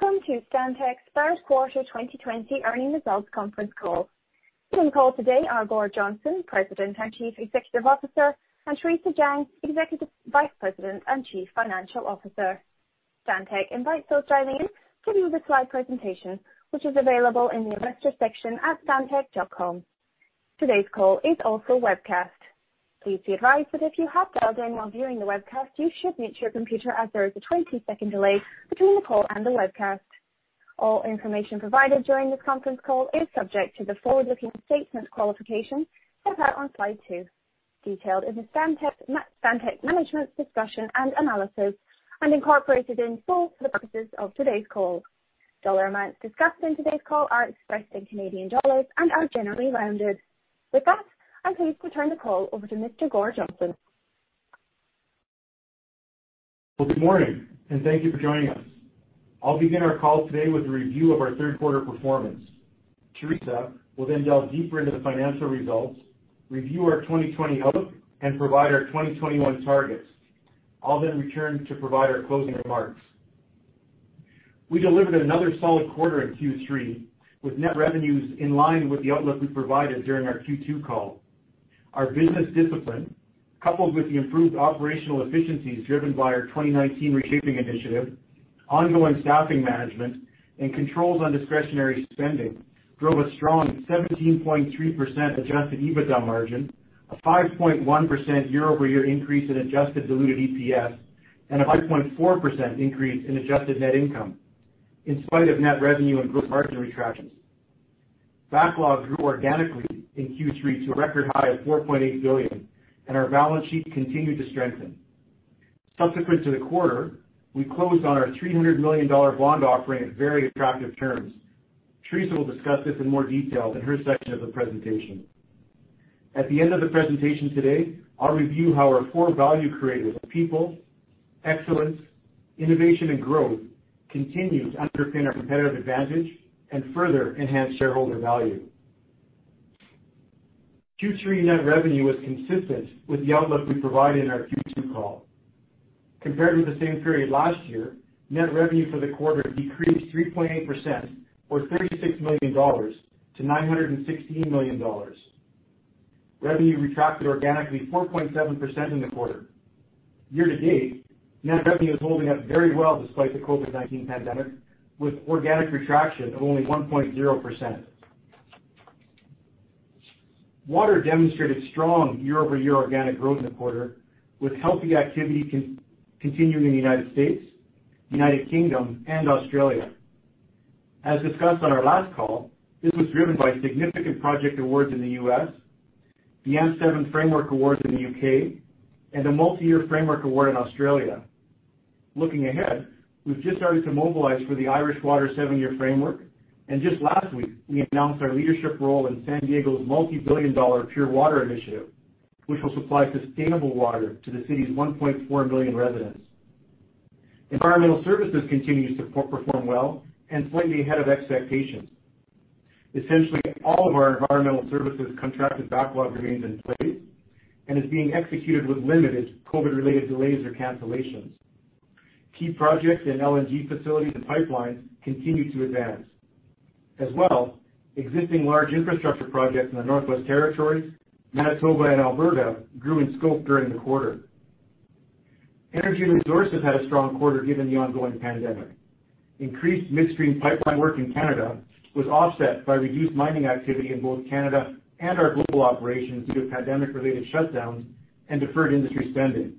Welcome to Stantec's Third Quarter 2020 Earnings Results Conference Call. On the call today are Gord Johnston, President and Chief Executive Officer, and Theresa Jang, Executive Vice President and Chief Financial Officer. Stantec invites those dialing in to view the slide presentation, which is available in the Investors section at stantec.com. Today's call is also webcast. Please be advised that if you have dialed in while viewing the webcast, you should mute your computer as there is a 20-second delay between the call and the webcast. All information provided during this conference call is subject to the forward-looking statement qualification set out on slide 2, detailed in the Stantec Management Discussion and Analysis, and incorporated in full for the purposes of today's call. Dollar amounts discussed in today's call are expressed in Canadian dollars and are generally rounded. With that, I'm pleased to turn the call over to Mr. Gord Johnston. Good morning, and thank you for joining us. I'll begin our call today with a review of our third quarter performance. Theresa will then delve deeper into the financial results, review our 2020 outlook, and provide our 2021 targets. I'll then return to provide our closing remarks. We delivered another solid quarter in Q3, with net revenues in line with the outlook we provided during our Q2 call. Our business discipline, coupled with the improved operational efficiencies driven by our 2019 reshaping initiative, ongoing staffing management, and controls on discretionary spending, drove a strong 17.3% adjusted EBITDA margin, a 5.1% year-over-year increase in adjusted diluted EPS, and a 5.4% increase in adjusted net income in spite of net revenue and group margin retractions. Backlog grew organically in Q3 to a record high of 4.8 billion, and our balance sheet continued to strengthen. Subsequent to the quarter, we closed on our 300 million dollar bond offering at very attractive terms. Theresa will discuss this in more detail in her section of the presentation. At the end of the presentation today, I'll review how our four value creators, people, excellence, innovation, and growth, continue to underpin our competitive advantage and further enhance shareholder value. Q3 net revenue was consistent with the outlook we provided in our Q2 call. Compared with the same period last year, net revenue for the quarter decreased 3.8%, or 36 million dollars, to 916 million dollars. Revenue retracted organically 4.7% in the quarter. Year to date, net revenue is holding up very well despite the COVID-19 pandemic, with organic retraction of only 1.0%. Water demonstrated strong year-over-year organic growth in the quarter, with healthy activity continuing in the U.S., U.K., and Australia. As discussed on our last call, this was driven by significant project awards in the U.S., the M7 framework award in the U.K., and a multi-year framework award in Australia. Looking ahead, we've just started to mobilize for the Irish Water 7-year framework, and just last week, we announced our leadership role in San Diego's multi-billion dollar Pure Water initiative, which will supply sustainable water to the city's 1.4 million residents. Environmental Services continues to perform well and slightly ahead of expectations. Essentially, all of our Environmental Services contracted backlog remains in place and is being executed with limited COVID-related delays or cancellations. Key projects in LNG facilities and pipelines continue to advance. Existing large infrastructure projects in the Northwest Territories, Manitoba, and Alberta grew in scope during the quarter. Energy and Resources had a strong quarter given the ongoing pandemic. Increased midstream pipeline work in Canada was offset by reduced mining activity in both Canada and our global operations due to pandemic-related shutdowns and deferred industry spending.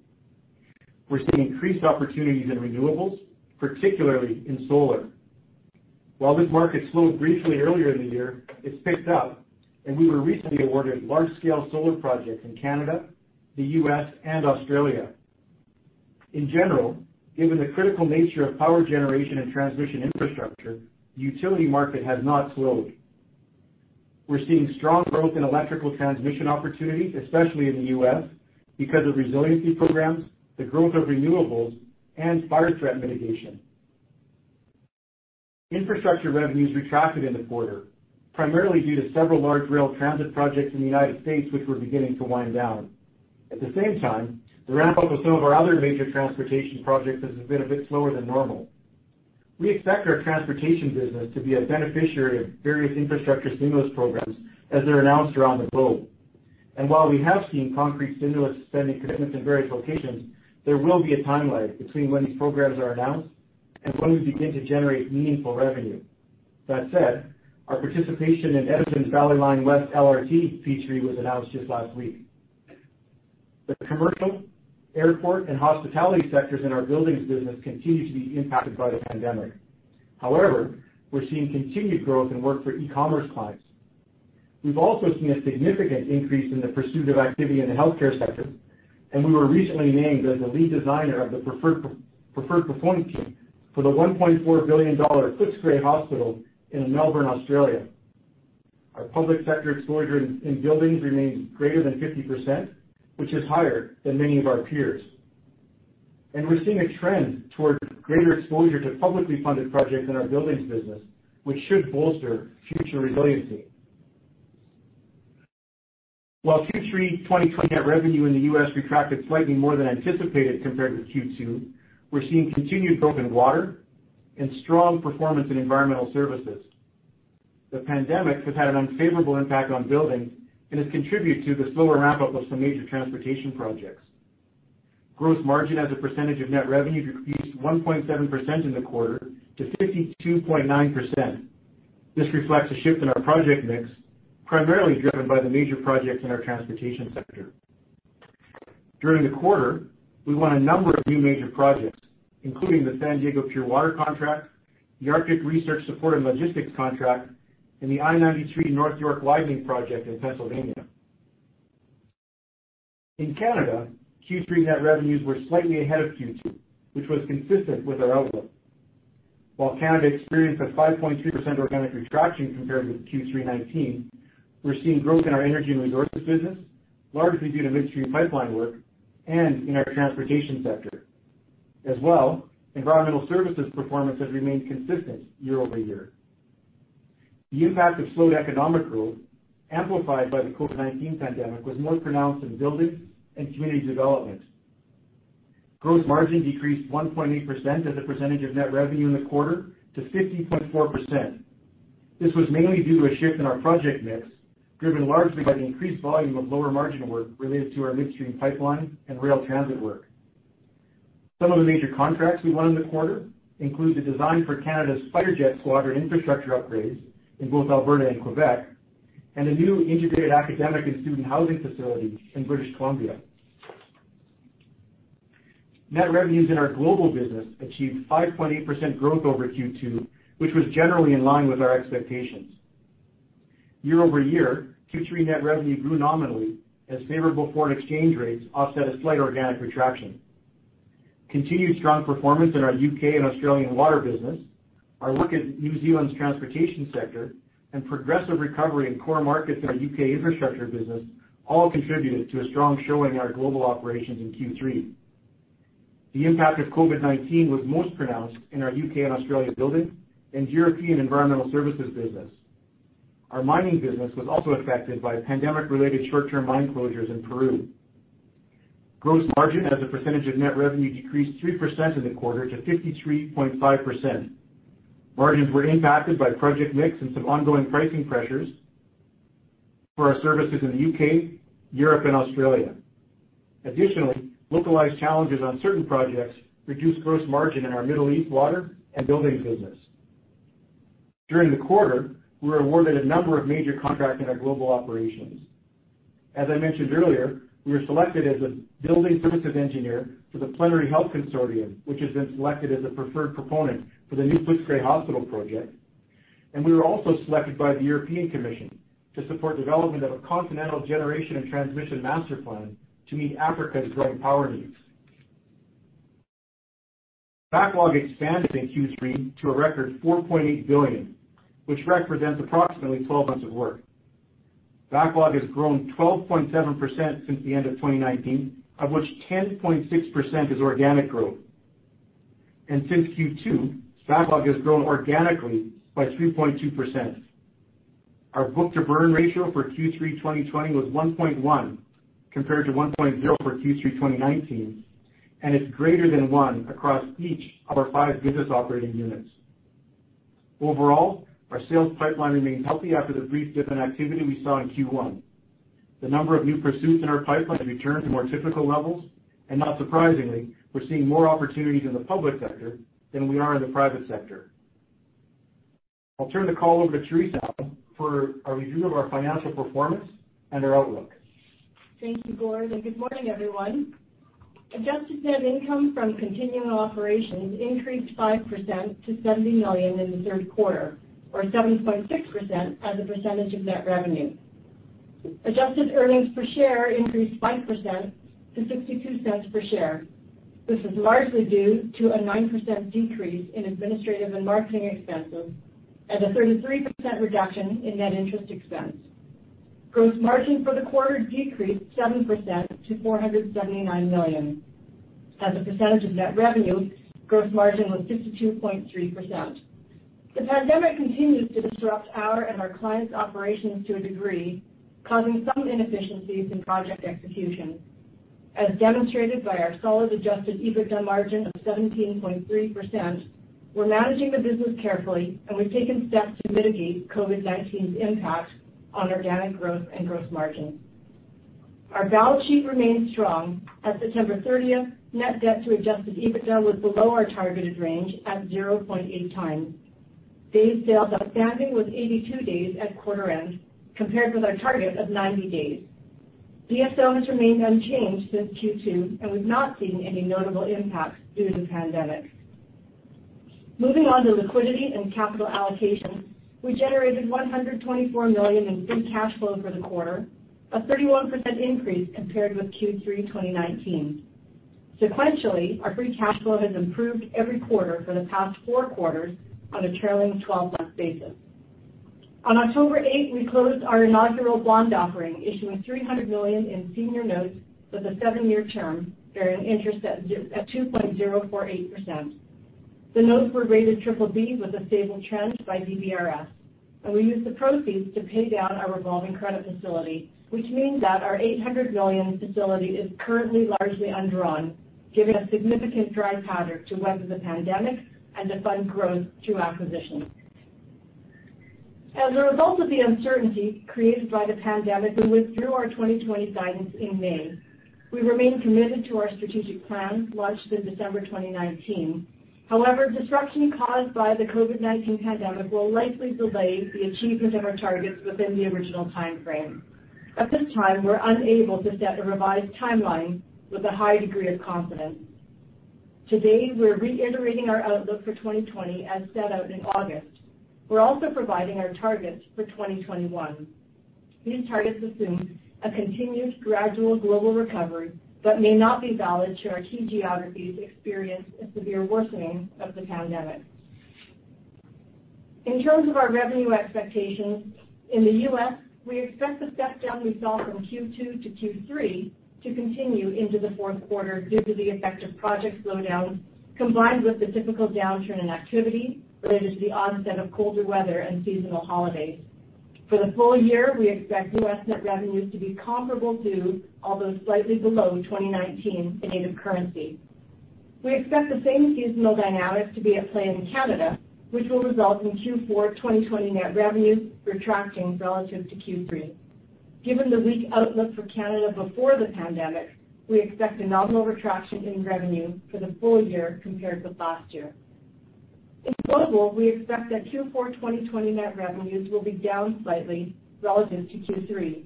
We're seeing increased opportunities in renewables, particularly in solar. While this market slowed briefly earlier in the year, it's picked up, and we were recently awarded large-scale solar projects in Canada, the U.S., and Australia. In general, given the critical nature of power generation and transmission infrastructure, the utility market has not slowed. We're seeing strong growth in electrical transmission opportunities, especially in the U.S., because of resiliency programs, the growth of renewables, and fire threat mitigation. Infrastructure revenues retracted in the quarter, primarily due to several large rail transit projects in the United States which were beginning to wind down. At the same time, the ramp-up of some of our other major transportation projects has been a bit slower than normal. We expect our transportation business to be a beneficiary of various infrastructure stimulus programs as they're announced around the globe. While we have seen concrete stimulus spending commitments in various locations, there will be a timeline between when these programs are announced and when we begin to generate meaningful revenue. That said, our participation in Edmonton's Valley Line West LRT P3 was announced just last week. The commercial, airport, and hospitality sectors in our buildings business continue to be impacted by the pandemic. However, we're seeing continued growth in work for e-commerce clients. We've also seen a significant increase in the pursuit of activity in the healthcare sector, and we were recently named as the lead designer of the preferred performance team for the 1.4 billion dollar Footscray Hospital in Melbourne, Australia. Our public sector exposure in buildings remains greater than 50%, which is higher than many of our peers. We're seeing a trend towards greater exposure to publicly funded projects in our buildings business, which should bolster future resiliency. While Q3 2020 net revenue in the U.S. retracted slightly more than anticipated compared with Q2, we're seeing continued growth in water and strong performance in environmental services. The pandemic has had an unfavorable impact on building and has contributed to the slower ramp-up of some major transportation projects. Gross margin as a percentage of net revenue decreased 1.7% in the quarter to 52.9%. This reflects a shift in our project mix, primarily driven by the major projects in our transportation sector. During the quarter, we won a number of new major projects, including the San Diego Pure Water contract, the Arctic Research Support and Logistics contract, and the I-83 North York Widening Project in Pennsylvania. In Canada, Q3 net revenues were slightly ahead of Q2, which was consistent with our outlook. While Canada experienced a 5.3% organic retraction compared with Q3 2019, we're seeing growth in our energy and resources business, largely due to midstream pipeline work and in our transportation sector. As well, environmental services performance has remained consistent year-over-year. The impact of slowed economic growth, amplified by the COVID-19 pandemic, was more pronounced in buildings and community development. Gross margin decreased 1.8% as a percentage of net revenue in the quarter to 50.4%. This was mainly due to a shift in our project mix, driven largely by the increased volume of lower margin work related to our midstream pipeline and rail transit work. Some of the major contracts we won in the quarter include the design for Canada's fighter jet squadron infrastructure upgrades in both Alberta and Quebec, and a new integrated academic and student housing facility in British Columbia. Net revenues in our global business achieved 5.8% growth over Q2, which was generally in line with our expectations. Year-over-year, Q3 net revenue grew nominally as favorable foreign exchange rates offset a slight organic retraction. Continued strong performance in our U.K. and Australian water business, our work in New Zealand's transportation sector, and progressive recovery in core markets in our U.K. infrastructure business all contributed to a strong showing in our global operations in Q3. The impact of COVID-19 was most pronounced in our U.K. and Australia buildings and European environmental services business. Our mining business was also affected by pandemic-related short-term mine closures in Peru. Gross margin as a percentage of net revenue decreased 3% in the quarter to 53.5%. Margins were impacted by project mix and some ongoing pricing pressures for our services in the U.K., Europe, and Australia. Additionally, localized challenges on certain projects reduced gross margin in our Middle East water and building business. During the quarter, we were awarded a number of major contracts in our global operations. As I mentioned earlier, we were selected as a building services engineer for the Plenary Health consortium, which has been selected as a preferred proponent for the new Footscray Hospital project, and we were also selected by the European Commission to support development of a continental generation and transmission master plan to meet Africa's growing power needs. Backlog expanded in Q3 to a record 4.8 billion, which represents approximately 12 months of work. Backlog has grown 12.7% since the end of 2019, of which 10.6% is organic growth. Since Q2, backlog has grown organically by 3.2%. Our book-to-burn ratio for Q3 2020 was 1.1%, compared to 1.0% for Q3 2019, and is greater than one across each of our 5 business operating units. Overall, our sales pipeline remains healthy after the brief dip in activity we saw in Q1. The number of new pursuits in our pipeline have returned to more typical levels, and not surprisingly, we're seeing more opportunities in the public sector than we are in the private sector. I'll turn the call over to Theresa now for a review of our financial performance and our outlook. Thank you, Gord, and good morning, everyone. Adjusted net income from continuing operations increased 5% to 70 million in the third quarter, or 7.6% as a percentage of net revenue. Adjusted earnings per share increased 5% to 0.62 per share. This is largely due to a 9% decrease in administrative and marketing expenses and a 33% reduction in net interest expense. Gross margin for the quarter decreased 7% to 479 million. As a percentage of net revenue, gross margin was 62.3%. The pandemic continues to disrupt our and our clients' operations to a degree, causing some inefficiencies in project execution. As demonstrated by our solid adjusted EBITDA margin of 17.3%, we're managing the business carefully, and we've taken steps to mitigate COVID-19's impact on organic growth and gross margin. Our balance sheet remains strong. At September 30th, net debt to adjusted EBITDA was below our targeted range at 0.8 times. Days sales outstanding was 82 days at quarter end, compared with our target of 90 days. DSO has remained unchanged since Q2, and we've not seen any notable impacts due to the pandemic. Moving on to liquidity and capital allocation. We generated 124 million in free cash flow for the quarter, a 31% increase compared with Q3 2019. Sequentially, our free cash flow has improved every quarter for the past four quarters on a trailing 12-month basis. On October 8th, we closed our inaugural bond offering, issuing 300 million in senior notes with a seven-year term, bearing interest at 2.048%. The notes were rated triple B with a stable trend by DBRS. We used the proceeds to pay down our revolving credit facility, which means that our 800 million facility is currently largely undrawn, giving us significant dry powder to weather the pandemic and to fund growth through acquisitions. As a result of the uncertainty created by the pandemic, we withdrew our 2020 guidance in May. We remain committed to our strategic plan launched in December 2019. However, disruption caused by the COVID-19 pandemic will likely delay the achievement of our targets within the original timeframe. At this time, we're unable to set a revised timeline with a high degree of confidence. Today, we're reiterating our outlook for 2020 as set out in August. We're also providing our targets for 2021. These targets assume a continued gradual global recovery but may not be valid should our key geographies experience a severe worsening of the pandemic. In terms of our revenue expectations, in the U.S., we expect the step down we saw from Q2-Q3 to continue into the fourth quarter due to the effect of project slowdown combined with the typical downturn in activity related to the onset of colder weather and seasonal holidays. For the full year, we expect U.S. net revenues to be comparable to, although slightly below 2019 in native currency. We expect the same seasonal dynamics to be at play in Canada, which will result in Q4 2020 net revenues retracting relative to Q3. Given the weak outlook for Canada before the pandemic, we expect a nominal retraction in revenue for the full year compared with last year. In Global, we expect that Q4 2020 net revenues will be down slightly relative to Q3.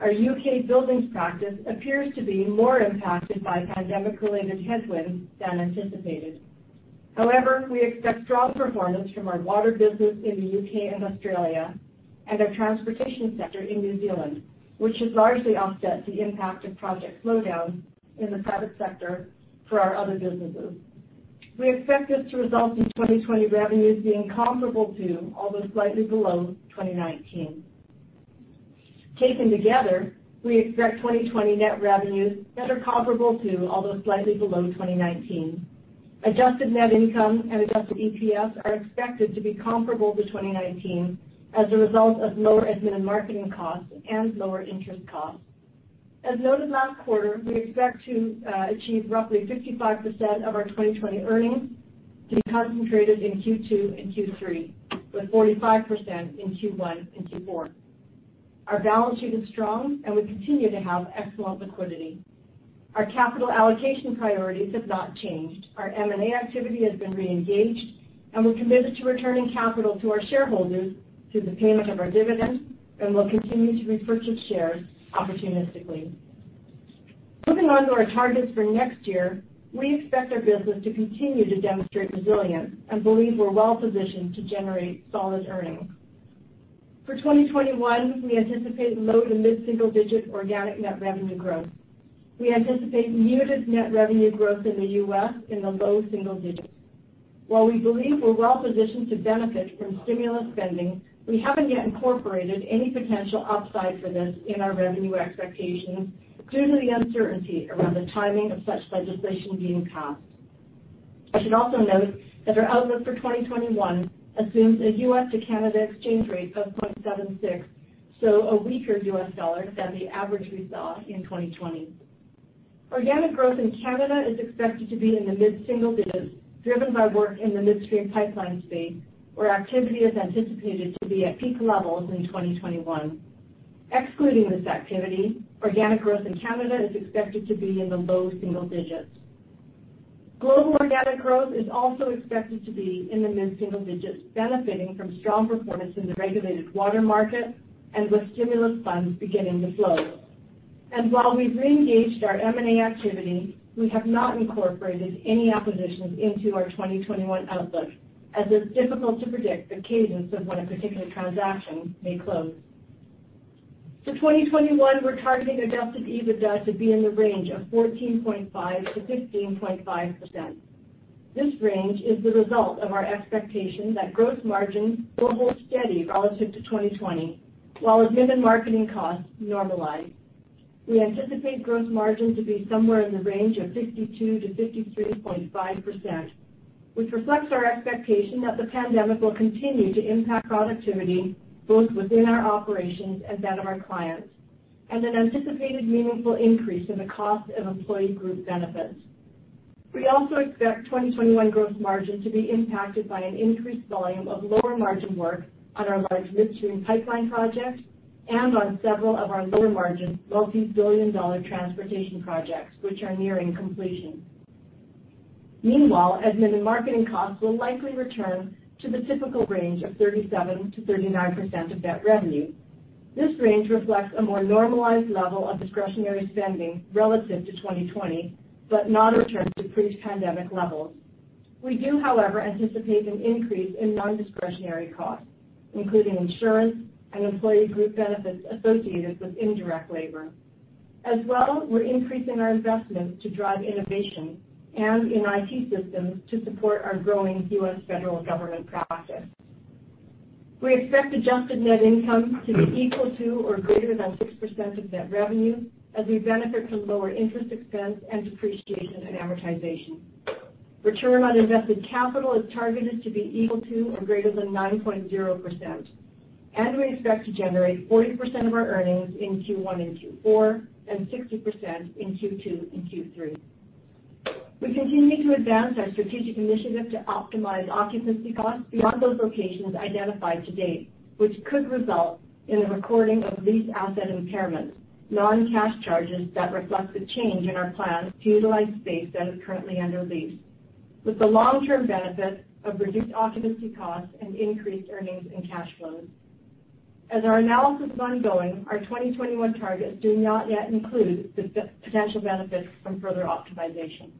Our U.K. buildings practice appears to be more impacted by pandemic-related headwinds than anticipated. We expect strong performance from our water business in the U.K. and Australia and our transportation sector in New Zealand, which should largely offset the impact of project slowdowns in the private sector for our other businesses. We expect this to result in 2020 revenues being comparable to, although slightly below 2019. Taken together, we expect 2020 net revenues that are comparable to, although slightly below 2019. adjusted net income and adjusted EPS are expected to be comparable to 2019 as a result of lower admin and marketing costs and lower interest costs. As noted last quarter, we expect to achieve roughly 55% of our 2020 earnings to be concentrated in Q2 and Q3, with 45% in Q1 and Q4. Our balance sheet is strong, and we continue to have excellent liquidity. Our capital allocation priorities have not changed. Our M&A activity has been reengaged, and we're committed to returning capital to our shareholders through the payment of our dividend, and we'll continue to repurchase shares opportunistically. Moving on to our targets for next year, we expect our business to continue to demonstrate resilience and believe we're well-positioned to generate solid earnings. For 2021, we anticipate low to mid-single-digit organic net revenue growth. We anticipate muted net revenue growth in the U.S. in the low single digits. While we believe we're well-positioned to benefit from stimulus spending, we haven't yet incorporated any potential upside for this in our revenue expectations due to the uncertainty around the timing of such legislation being passed. I should also note that our outlook for 2021 assumes a U.S. to Canada exchange rate of 0.76%, so a weaker U.S. dollar than the average we saw in 2020. Organic growth in Canada is expected to be in the mid single digits, driven by work in the midstream pipeline space, where activity is anticipated to be at peak levels in 2021. Excluding this activity, organic growth in Canada is expected to be in the low single digits. Global organic growth is also expected to be in the mid single digits, benefiting from strong performance in the regulated water market and with stimulus funds beginning to flow. While we've reengaged our M&A activity, we have not incorporated any acquisitions into our 2021 outlook, as it's difficult to predict the cadence of when a particular transaction may close. For 2021, we're targeting adjusted EBITDA to be in the range of 14.5%-15.5%. This range is the result of our expectation that gross margins will hold steady relative to 2020 while admin and marketing costs normalize. We anticipate gross margin to be somewhere in the range of 62%-63.5%, which reflects our expectation that the pandemic will continue to impact productivity both within our operations and that of our clients, and an anticipated meaningful increase in the cost of employee group benefits. We also expect 2021 gross margin to be impacted by an increased volume of lower margin work on our large midstream pipeline projects and on several of our lower margin, multi-billion dollar transportation projects, which are nearing completion. Meanwhile, admin and marketing costs will likely return to the typical range of 37%-39% of net revenue. This range reflects a more normalized level of discretionary spending relative to 2020, but not a return to pre-pandemic levels. We do, however, anticipate an increase in non-discretionary costs, including insurance and employee group benefits associated with indirect labor. As well, we're increasing our investments to drive innovation and in IT systems to support our growing U.S. federal government practice. We expect adjusted net income to be equal to or greater than 6% of net revenue as we benefit from lower interest expense and depreciation and amortization. Return on invested capital is targeted to be equal to or greater than 9.0%, and we expect to generate 40% of our earnings in Q1 and Q4, and 60% in Q2 and Q3. We continue to advance our strategic initiative to optimize occupancy costs beyond those locations identified to date, which could result in the recording of lease asset impairments, non-cash charges that reflect the change in our plans to utilize space that is currently under lease, with the long-term benefit of reduced occupancy costs and increased earnings and cash flows. As our analysis is ongoing, our 2021 targets do not yet include the potential benefits from further optimization.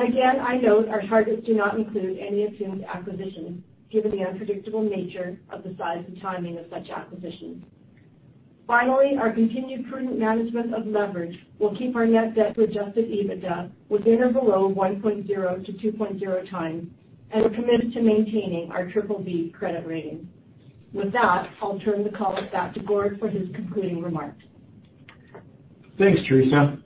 Again, I note our targets do not include any assumed acquisitions, given the unpredictable nature of the size and timing of such acquisitions. Finally, our continued prudent management of leverage will keep our net debt to adjusted EBITDA within or below 1.0-2.0 times, and we're committed to maintaining our triple B credit rating. With that, I'll turn the call back to Gord for his concluding remarks. Thanks, Theresa.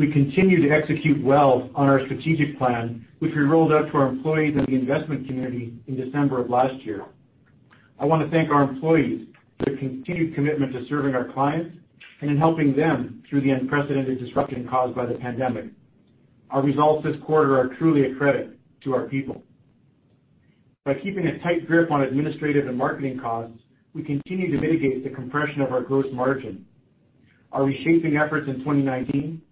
We continue to execute well on our strategic plan, which we rolled out to our employees and the investment community in December of last year. I want to thank our employees for their continued commitment to serving our clients and in helping them through the unprecedented disruption caused by the pandemic. Our results this quarter are truly a credit to our people. By keeping a tight grip on administrative and marketing costs, we continue to mitigate the compression of our gross margin. Our reshaping efforts in 2019,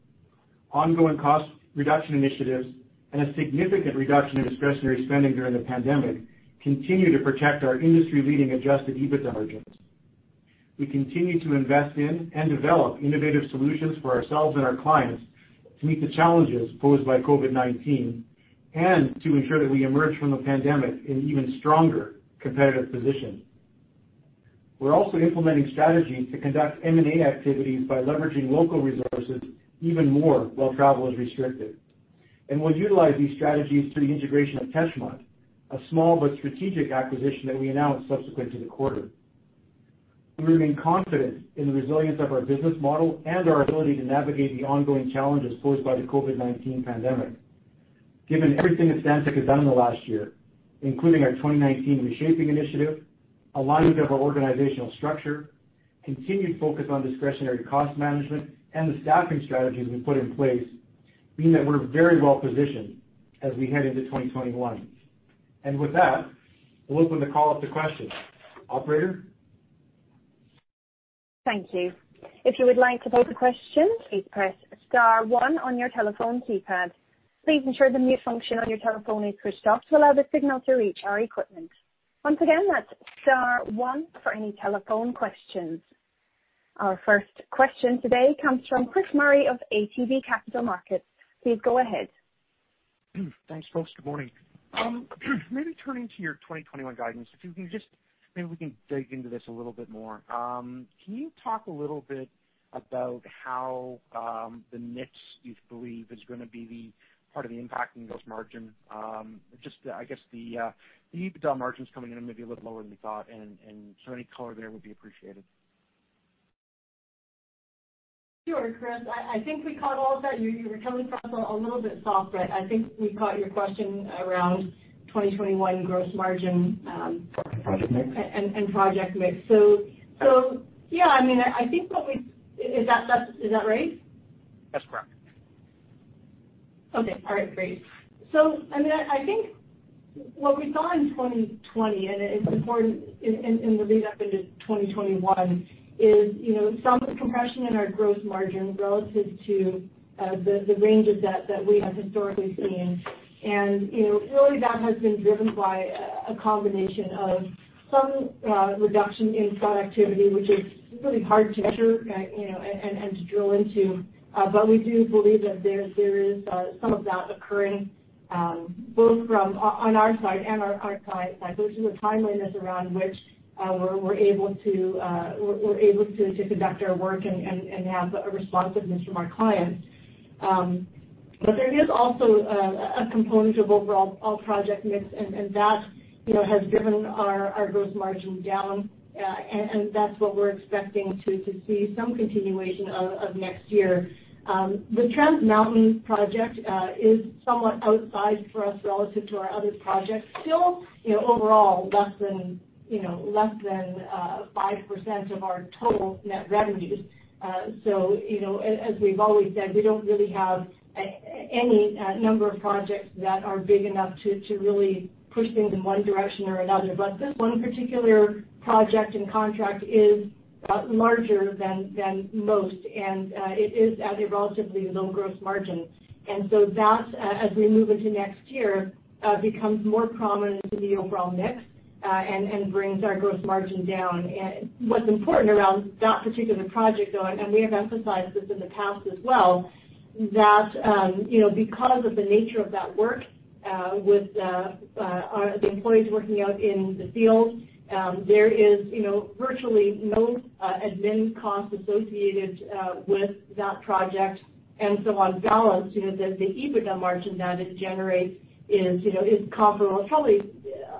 ongoing cost reduction initiatives, and a significant reduction in discretionary spending during the pandemic continue to protect our industry-leading adjusted EBITDA margins. We continue to invest in and develop innovative solutions for ourselves and our clients to meet the challenges posed by COVID-19 and to ensure that we emerge from the pandemic in even stronger competitive position. We're also implementing strategies to conduct M&A activities by leveraging local resources even more while travel is restricted. We'll utilize these strategies through the integration of Teshmont, a small but strategic acquisition that we announced subsequent to the quarter. We remain confident in the resilience of our business model and our ability to navigate the ongoing challenges posed by the COVID-19 pandemic. Given everything that Stantec has done in the last year, including our 2019 reshaping initiative, alignment of our organizational structure, continued focus on discretionary cost management, and the staffing strategies we put in place, mean that we're very well positioned as we head into 2021. With that, we'll open the call up to questions. Operator? Thank you. If you would like to pose a question, please press star one on your telephone keypad. Please ensure the mute function on your telephone is pushed off to allow the signal to reach our equipment. Once again, that's star one for any telephone questions. Our first question today comes from Chris Murray of ATB Capital Markets. Please go ahead. Thanks, folks. Good morning. Maybe turning to your 2021 guidance, maybe we can dig into this a little bit more. Can you talk a little bit about how the mix you believe is going to be the part of the impact in gross margin? I guess the EBITDA margin's coming in maybe a little lower than we thought, and so any color there would be appreciated. Sure, Chris. I think we caught all of that. You were coming across a little bit soft, but I think we caught your question around 2021 gross margin. Project mix. And project mix. yeah. Is that right? That's correct. Okay. All right, great. I think what we saw in 2020, and it's important in the lead up into 2021, is some compression in our gross margin relative to the range of data that we have historically seen. Really, that has been driven by a combination of some reduction in productivity, which is really hard to measure and to drill into. We do believe that there is some of that occurring, both on our side and our client side. It's just the timeliness around which we're able to conduct our work and have a responsiveness from our clients. There is also a component of overall project mix, and that has driven our gross margin down, and that's what we're expecting to see some continuation of next year. The Trans Mountain project is somewhat outside for us relative to our other projects. Still, overall, less than 5% of our total net revenues. As we've always said, we don't really have any number of projects that are big enough to really push things in one direction or another. This one particular project and contract is larger than most, and it is at a relatively low gross margin. That, as we move into next year, becomes more prominent in the overall mix and brings our gross margin down. What's important around that particular project, though, and we have emphasized this in the past as well, that because of the nature of that work with the employees working out in the field, there is virtually no G&A cost associated with that project. On balance, the EBITDA margin that it generates is comparable, probably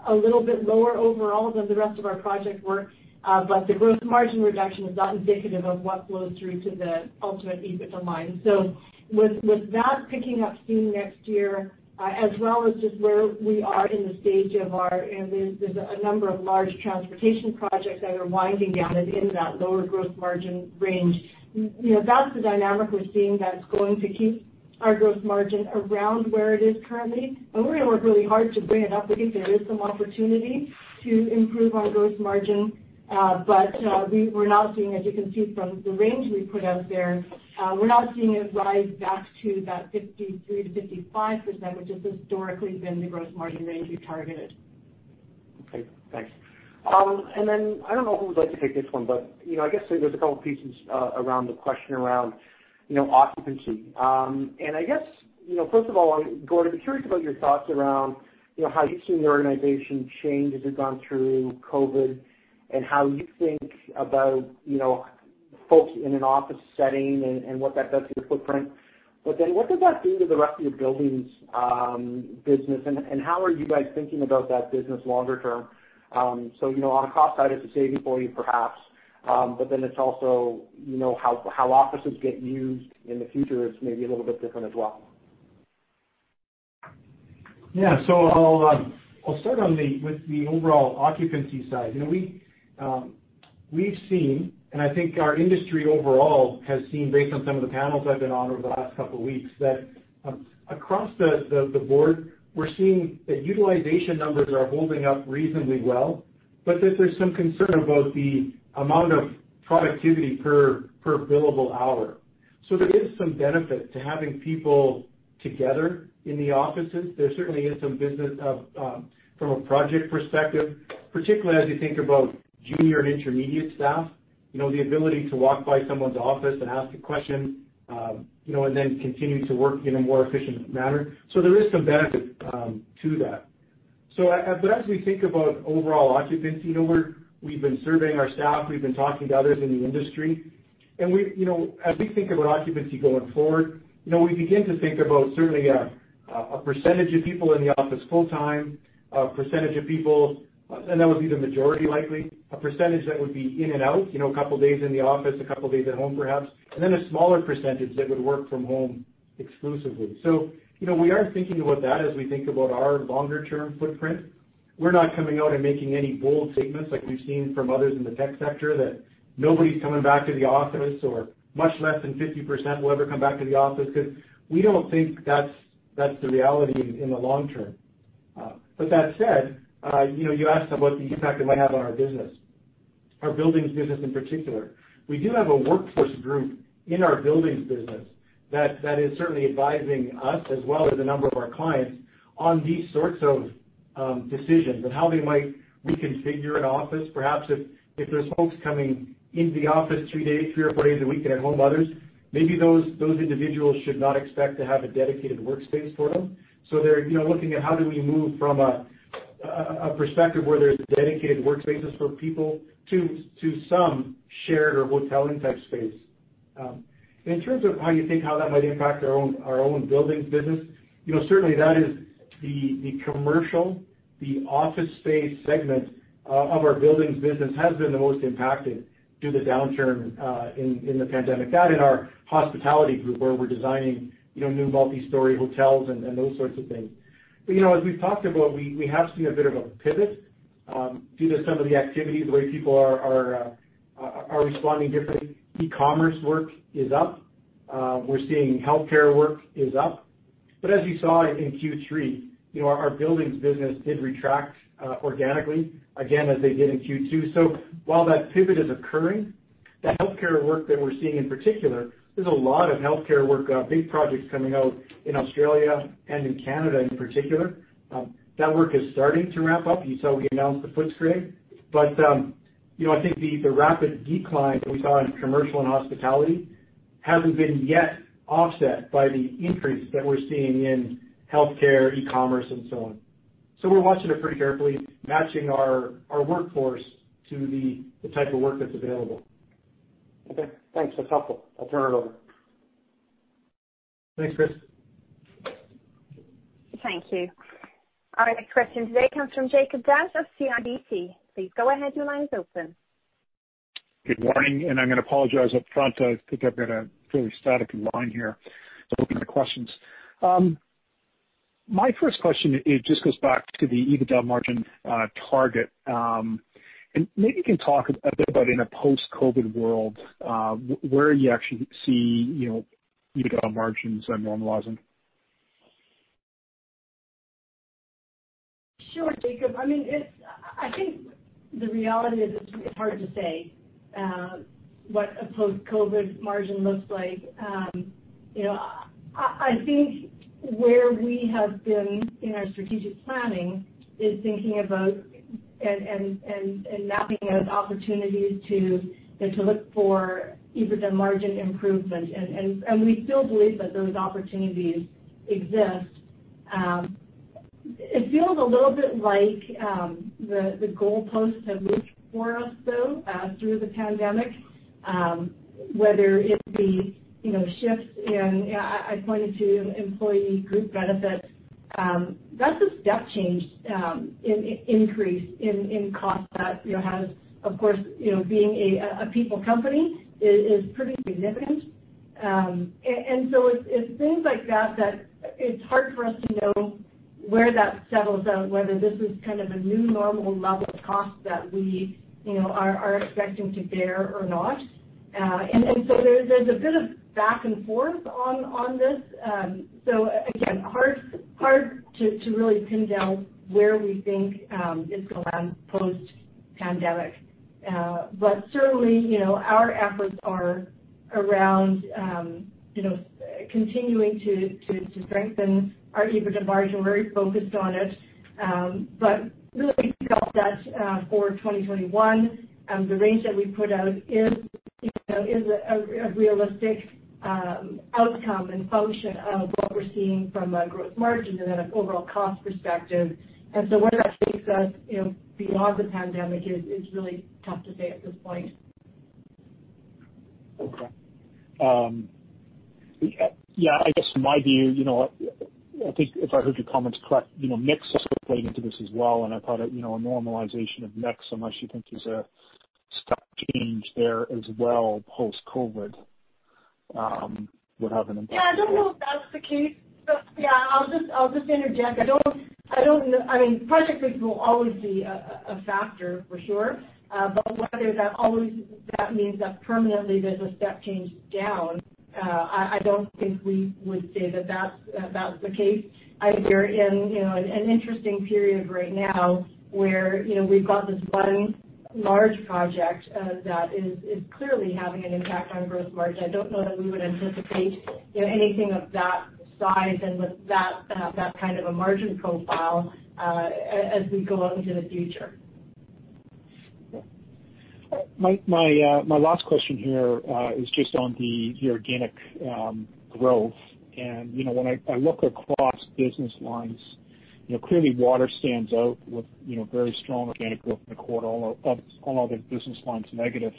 a little bit lower overall than the rest of our project work, but the gross margin reduction is not indicative of what flows through to the ultimate EBITDA line. With that picking up steam next year, as well as just where we are in the stage of our. There's a number of large transportation projects that are winding down and into that lower gross margin range. That's the dynamic we're seeing that's going to keep our gross margin around where it is currently. We're going to work really hard to bring it up. I think there is some opportunity to improve our gross margin. We're not seeing, as you can see from the range we put out there, we're not seeing it rise back to that 53%-55%, which has historically been the gross margin range we targeted. Okay, thanks. I don't know who would like to take this one, but I guess there's a couple pieces around the question around occupancy. I guess, first of all, Gord, I'd be curious about your thoughts around how you've seen the organization change as it's gone through COVID-19 and how you think about folks in an office setting and what that does to your footprint. What does that do to the rest of your buildings business, and how are you guys thinking about that business longer term? On a cost side, it's a saving for you perhaps. It's also how offices get used in the future is maybe a little bit different as well. Yeah. I'll start with the overall occupancy side. We've seen, and I think our industry overall has seen, based on some of the panels I've been on over the last couple of weeks, that across the board, we're seeing that utilization numbers are holding up reasonably well. That there's some concern about the amount of productivity per billable hour. There is some benefit to having people together in the offices. There certainly is some business from a project perspective, particularly as you think about junior and intermediate staff. The ability to walk by someone's office and ask a question, and then continue to work in a more efficient manner. There is some benefit to that. As we think about overall occupancy, we've been surveying our staff, we've been talking to others in the industry. As we think about occupancy going forward, we begin to think about certainly a percentage of people in the office full time, a percentage of people, and that would be the majority likely. A percentage that would be in and out, a couple of days in the office, a couple of days at home perhaps. A smaller percentage that would work from home exclusively. We are thinking about that as we think about our longer term footprint. We're not coming out and making any bold statements like we've seen from others in the tech sector that nobody's coming back to the office, or much less than 50% will ever come back to the office, because we don't think that's the reality in the long term. That said, you asked about the impact it might have on our business, our buildings business in particular. We do have a workforce group in our buildings business that is certainly advising us, as well as a number of our clients, on these sorts of decisions and how they might reconfigure an office. Perhaps if there's folks coming into the office three or four days a week and at home others, maybe those individuals should not expect to have a dedicated workspace for them. They're looking at how do we move from a perspective where there's dedicated workspaces for people to some shared or hoteling type space. In terms of how you think how that might impact our own buildings business. Certainly that is the commercial, the office space segment of our buildings business has been the most impacted due to the downturn in the pandemic, and our hospitality group where we're designing new multi-story hotels and those sorts of things. As we've talked about, we have seen a bit of a pivot due to some of the activity, the way people are responding differently. E-commerce work is up. We're seeing healthcare work is up. As you saw in Q3, our buildings business did retract organically, again, as it did in Q2. While that pivot is occurring, that healthcare work that we're seeing in particular, there's a lot of healthcare work, big projects coming out in Australia and in Canada in particular. That work is starting to ramp up. You saw we announced the Footscray. I think the rapid decline that we saw in commercial and hospitality hasn't been yet offset by the increase that we're seeing in healthcare, e-commerce, and so on. We're watching it pretty carefully, matching our workforce to the type of work that's available. Okay, thanks. That's helpful. I'll turn it over. Thanks, Chris. Thank you. Our next question today comes from Jacob Bout of CIBC. Please go ahead, your line is open. Good morning. I'm going to apologize up front. I think I've got a fairly staticky line here. Hope you can hear the questions. My first question just goes back to the EBITDA margin target. Maybe you can talk a bit about in a post-COVID-19 world, where you actually see EBITDA margins normalizing. Sure, Jacob. I think the reality is it's hard to say what a post-COVID-19 margin looks like. I think where we have been in our strategic planning is thinking about and mapping out opportunities to look for EBITDA margin improvement, and we still believe that those opportunities exist. It feels a little bit like the goalposts have moved for us, though, through the pandemic. Whether it be shifts in, I pointed to employee group benefits. That's a step change increase in cost that has, of course, being a people company, is pretty significant. It's things like that it's hard for us to know where that settles out, whether this is kind of a new normal level of cost that we are expecting to bear or not. There's a bit of back and forth on this. Again, hard to really pin down where we think it's going to land post-pandemic. Certainly, our efforts are around continuing to strengthen our EBITDA margin. We're very focused on it. Really, we think that for 2021, the range that we put out is a realistic outcome and function of what we're seeing from a growth margin and an overall cost perspective. Where that takes us beyond the pandemic is really tough to say at this point. Okay. Yeah, I guess my view, I think if I heard your comments correct, mix is sort of playing into this as well, and I thought a normalization of mix, unless you think there's a step change there as well post-COVID, would have an impact as well. Yeah, I don't know if that's the case. Yeah, I'll just interject. Project mix will always be a factor for sure. Whether that means that permanently there's a step change down, I don't think we would say that that's the case. I think we're in an interesting period right now where we've got this one large project that is clearly having an impact on gross margin. I don't know that we would anticipate anything of that size and with that kind of a margin profile as we go out into the future. My last question here is just on the organic growth. When I look across business lines, clearly water stands out with very strong organic growth in the quarter. All other business lines are negative.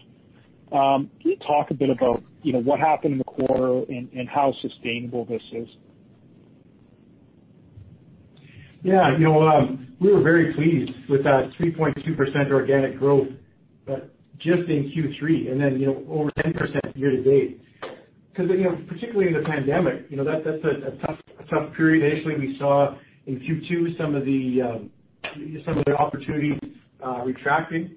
Can you talk a bit about what happened in the quarter and how sustainable this is? Yeah. We were very pleased with that 3.2% organic growth, but just in Q3 and then over 10% year-to-date. Particularly in the pandemic, that's a tough period. Initially, we saw in Q2 some of the opportunities retracting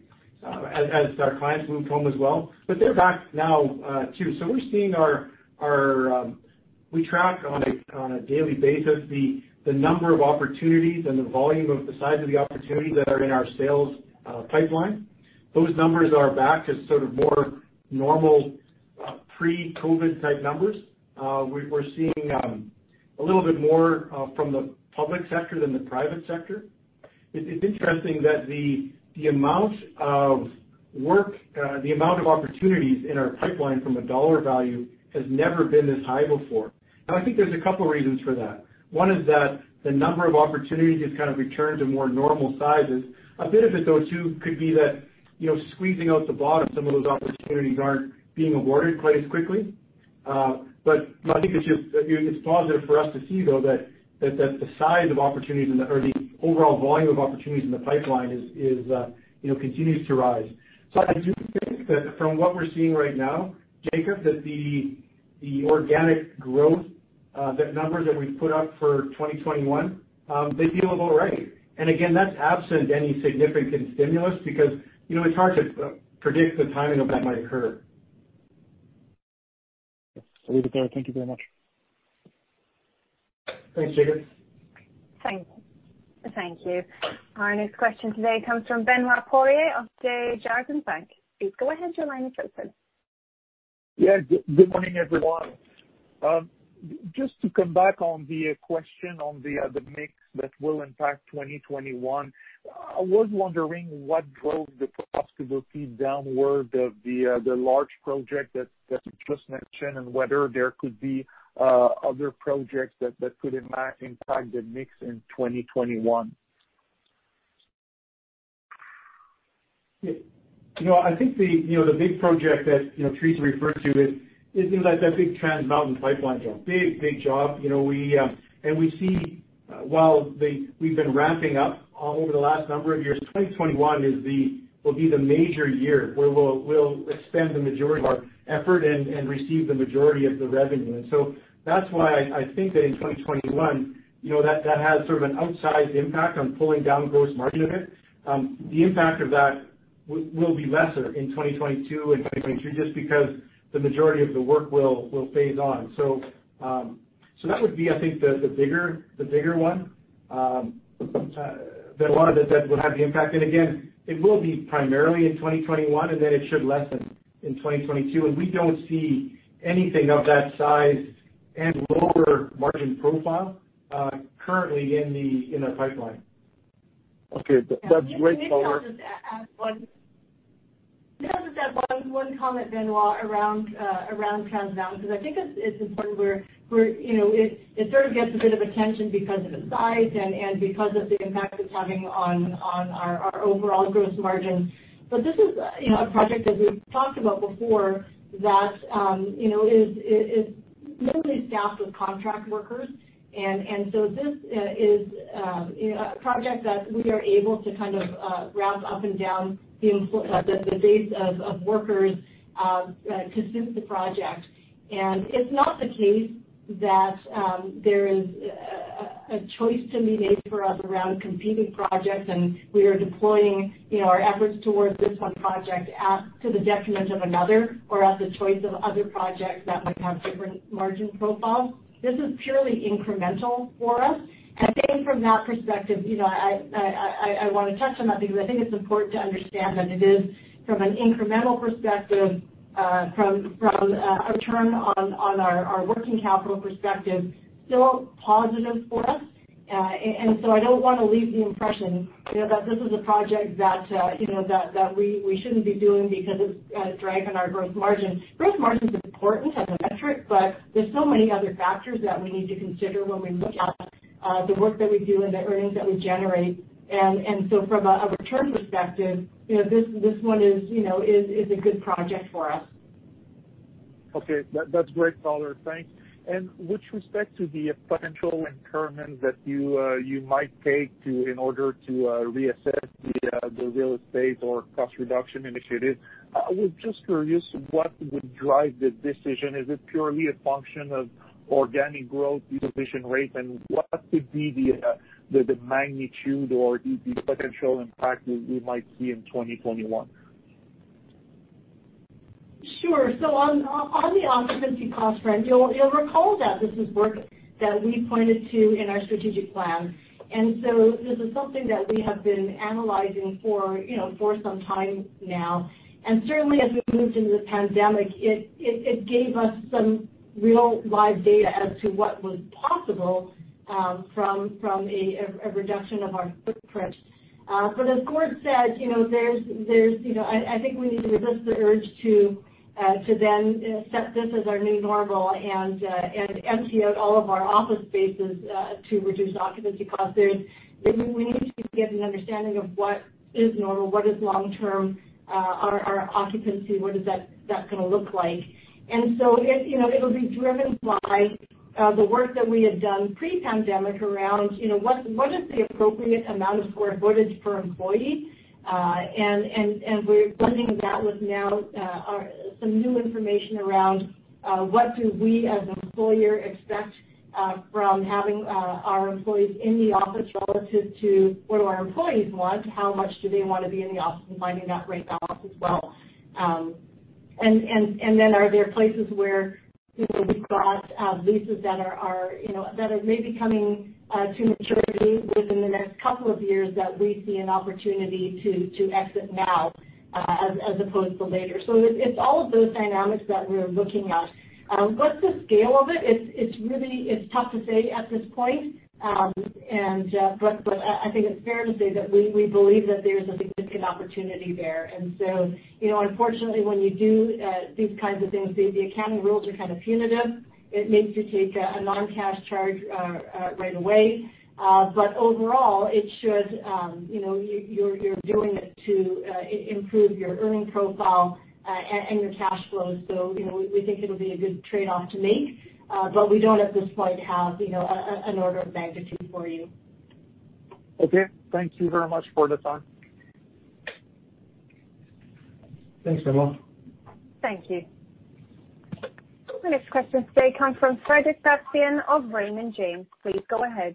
as our clients moved home as well. They're back now, too. We track on a daily basis the number of opportunities and the volume of the size of the opportunities that are in our sales pipeline. Those numbers are back to sort of more normal pre-COVID type numbers. We're seeing a little bit more from the public sector than the private sector. It's interesting that the amount of opportunities in our pipeline from a CAD value has never been this high before. I think there's a couple of reasons for that. One is that the number of opportunities has kind of returned to more normal sizes. A bit of it, though, too, could be that squeezing out the bottom, some of those opportunities aren't being awarded quite as quickly. I think it's positive for us to see, though, that the size of opportunities or the overall volume of opportunities in the pipeline continues to rise. I do think that from what we're seeing right now, Jacob, that the organic growth, the numbers that we've put up for 2021, they feel about right. Again, that's absent any significant stimulus because it's hard to predict the timing of when that might occur. I'll leave it there. Thank you very much. Thanks, Jacob. Thank you. Our next question today comes from Benoit Poirier of Desjardins Bank. Please go ahead, your line is open. Good morning, everyone. Just to come back on the question on the mix that will impact 2021, I was wondering what drove the profitability downward of the large project that you just mentioned, and whether there could be other projects that could impact the mix in 2021. Yeah. I think the big project that Theresa referred to is that big Trans Mountain Pipeline job. Big job. We see while we've been ramping up over the last number of years, 2021 will be the major year where we'll expend the majority of our effort and receive the majority of the revenue. That's why I think that in 2021, that has sort of an outsized impact on pulling down gross margin a bit. The impact of that will be lesser in 2022 and 2023, just because the majority of the work will phase on. That would be, I think, the bigger one, the one that will have the impact. Again, it will be primarily in 2021, and then it should lessen in 2022, and we don't see anything of that size and lower margin profile currently in our pipeline. Okay. That's great. Maybe I'll just add one comment, Benoit, around Trans Mountain, because I think it's important. It sort of gets a bit of attention because of its size and because of the impact it's having on our overall gross margin. This is a project that we've talked about before that is mostly staffed with contract workers. So this is a project that we are able to kind of ramp up and down the base of workers to suit the project. It's not the case that there is a choice to be made for us around competing projects, and we are deploying our efforts towards this one project to the detriment of another or at the choice of other projects that might have different margin profiles. This is purely incremental for us. I think from that perspective, I want to touch on that because I think it's important to understand that it is from an incremental perspective, from a return on our working capital perspective, still positive for us. I don't want to leave the impression that this is a project that we shouldn't be doing because it's a drag on our growth margin. Growth margin is important as a metric, but there's so many other factors that we need to consider when we look at the work that we do and the earnings that we generate. From a return perspective, this one is a good project for us. Okay. That's great, Theresa. Thanks. With respect to the potential impairment that you might take in order to reassess the real estate or cost reduction initiative, I was just curious what would drive the decision. Is it purely a function of organic growth, utilization rate, and what could be the magnitude or the potential impact we might see in 2021? Sure. On the occupancy cost front, you'll recall that this is work that we pointed to in our strategic plan. This is something that we have been analyzing for some time now. Certainly, as we moved into the pandemic, it gave us some real live data as to what was possible from a reduction of our footprint. As Gord said, I think we need to resist the urge to then set this as our new normal and empty out all of our office spaces to reduce occupancy costs. We need to get an understanding of what is normal, what is long-term, our occupancy, what is that going to look like. It'll be driven by the work that we had done pre-pandemic around what is the appropriate amount of square footage per employee. We're blending that with now some new information around what do we, as an employer, expect from having our employees in the office relative to what do our employees want, how much do they want to be in the office, and finding that right balance as well. Then are there places where we've got leases that are maybe coming to maturity within the next couple of years that we see an opportunity to exit now as opposed to later. It's all of those dynamics that we're looking at. What's the scale of it? It's tough to say at this point. I think it's fair to say that we believe that there's a significant opportunity there. Unfortunately, when you do these kinds of things, the accounting rules are kind of punitive. It makes you take a non-cash charge right away. Overall, you're doing it to improve your earning profile and your cash flows. We think it'll be a good trade-off to make. We don't at this point have an order of magnitude for you. Okay. Thank you very much for the time. Thanks, Benoit. Thank you. The next question today comes from Frederic Bastien of Raymond James. Please go ahead.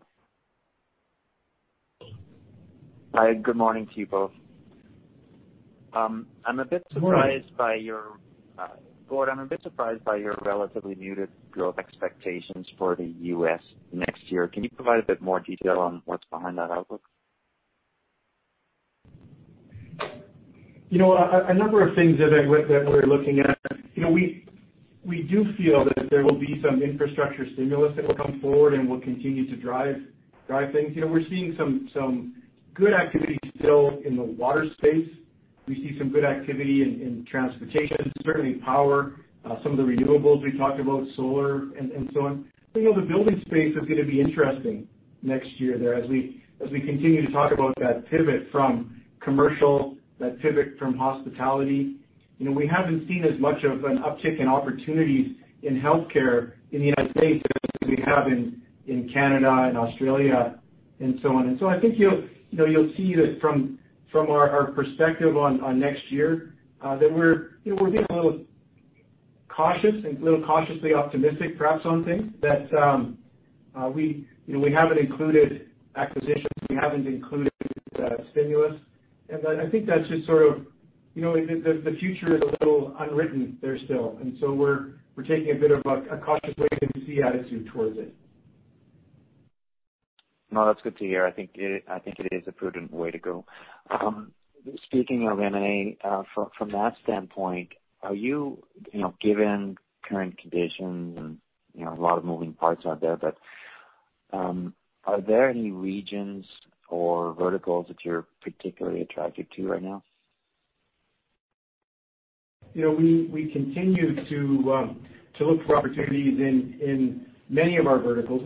Hi. Good morning to you both. Good morning. I'm a bit surprised by your relatively muted growth expectations for the U.S. next year. Can you provide a bit more detail on what's behind that outlook? A number of things that we're looking at. We do feel that there will be some infrastructure stimulus that will come forward and will continue to drive things. We're seeing some good activity still in the water space. We see some good activity in transportation, certainly power, some of the renewables we talked about, solar and so on. The building space is going to be interesting next year there as we continue to talk about that pivot from commercial, that pivot from hospitality. We haven't seen as much of an uptick in opportunities in healthcare in the U.S. as we have in Canada and Australia and so on. I think you'll see that from our perspective on next year, that we're being a little cautious and a little cautiously optimistic, perhaps, on things. That we haven't included acquisitions, we haven't included stimulus. I think that's just sort of the future is a little unwritten there still. So we're taking a bit of a cautious wait and see attitude towards it. No, that's good to hear. I think it is a prudent way to go. Speaking of M&A, from that standpoint, given current conditions and a lot of moving parts out there, but are there any regions or verticals that you're particularly attracted to right now? We continue to look for opportunities in many of our verticals.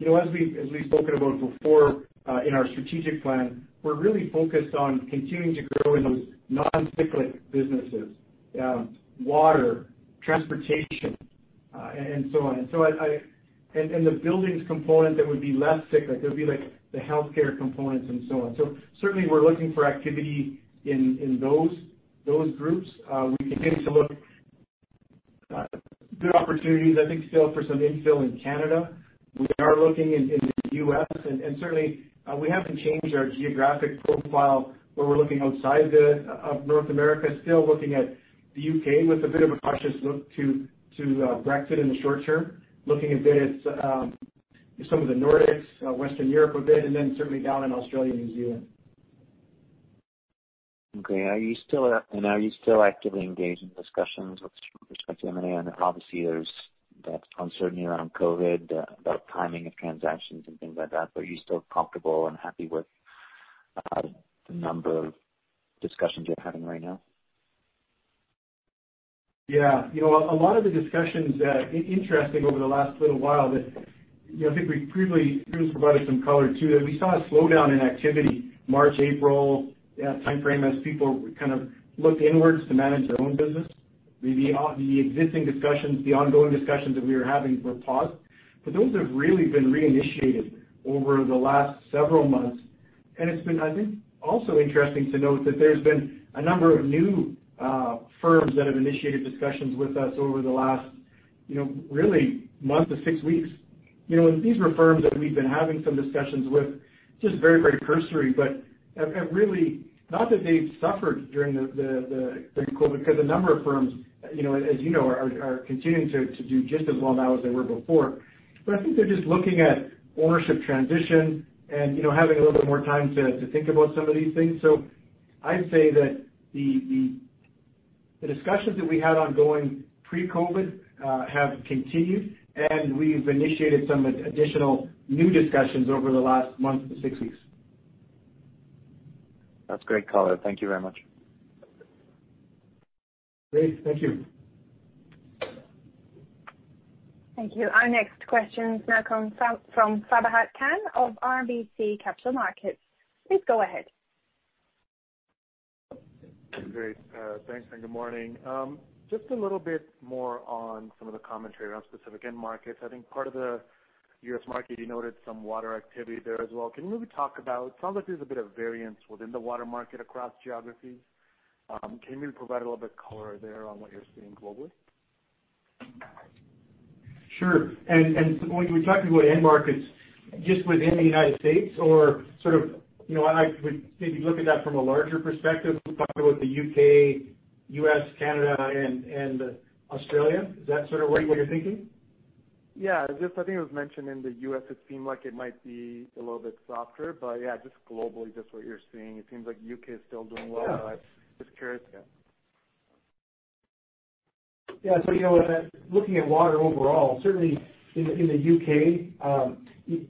As we've spoken about before in our strategic plan, we're really focused on continuing to grow in those non-cyclical businesses, water, transportation And so on. The buildings component that would be less cyclic, there would be the healthcare components and so on. Certainly, we're looking for activity in those groups. We continue to look at good opportunities, I think, still for some infill in Canada. We are looking in the U.S., and certainly, we haven't changed our geographic profile where we're looking outside of North America. Still looking at the U.K. with a bit of a cautious look to Brexit in the short term. Looking a bit at some of the Northeast, Western Europe a bit, and then certainly down in Australia and New Zealand. Okay. Are you still actively engaged in discussions with respect to M&A? Obviously, there's that uncertainty around COVID about timing of transactions and things like that, but are you still comfortable and happy with the number of discussions you're having right now? A lot of the discussions, interesting over the last little while that, I think we previously provided some color, too, that we saw a slowdown in activity March, April timeframe as people kind of looked inwards to manage their own business. The existing discussions, the ongoing discussions that we were having were paused. Those have really been reinitiated over the last several months, and it's been, I think, also interesting to note that there's been a number of new firms that have initiated discussions with us over the last really month to six weeks. These were firms that we've been having some discussions with, just very cursory, but have really, not that they've suffered during COVID because a number of firms, as you know, are continuing to do just as well now as they were before. I think they're just looking at ownership transition and having a little bit more time to think about some of these things. I'd say that the discussions that we had ongoing pre-COVID have continued, and we've initiated some additional new discussions over the last month to six weeks. That's great color. Thank you very much. Great. Thank you. Thank you. Our next question now comes from Sabahat Khan of RBC Capital Markets. Please go ahead. Great. Thanks. Good morning. Just a little bit more on some of the commentary around specific end markets. I think part of the U.S. market, you noted some water activity there as well. Can you maybe talk about, it sounds like there's a bit of variance within the water market across geographies. Can you maybe provide a little bit color there on what you're seeing globally? Sure. When we talk about end markets just within the U.S. or sort of, I would maybe look at that from a larger perspective. We talk about the U.K., U.S., Canada, and Australia. Is that sort of where you're thinking? Yeah. Just I think it was mentioned in the U.S., it seemed like it might be a little bit softer, but yeah, just globally, just what you're seeing. It seems like U.K. is still doing well. Yeah. Just curious. Yeah. Yeah. Looking at water overall, certainly in the U.K.,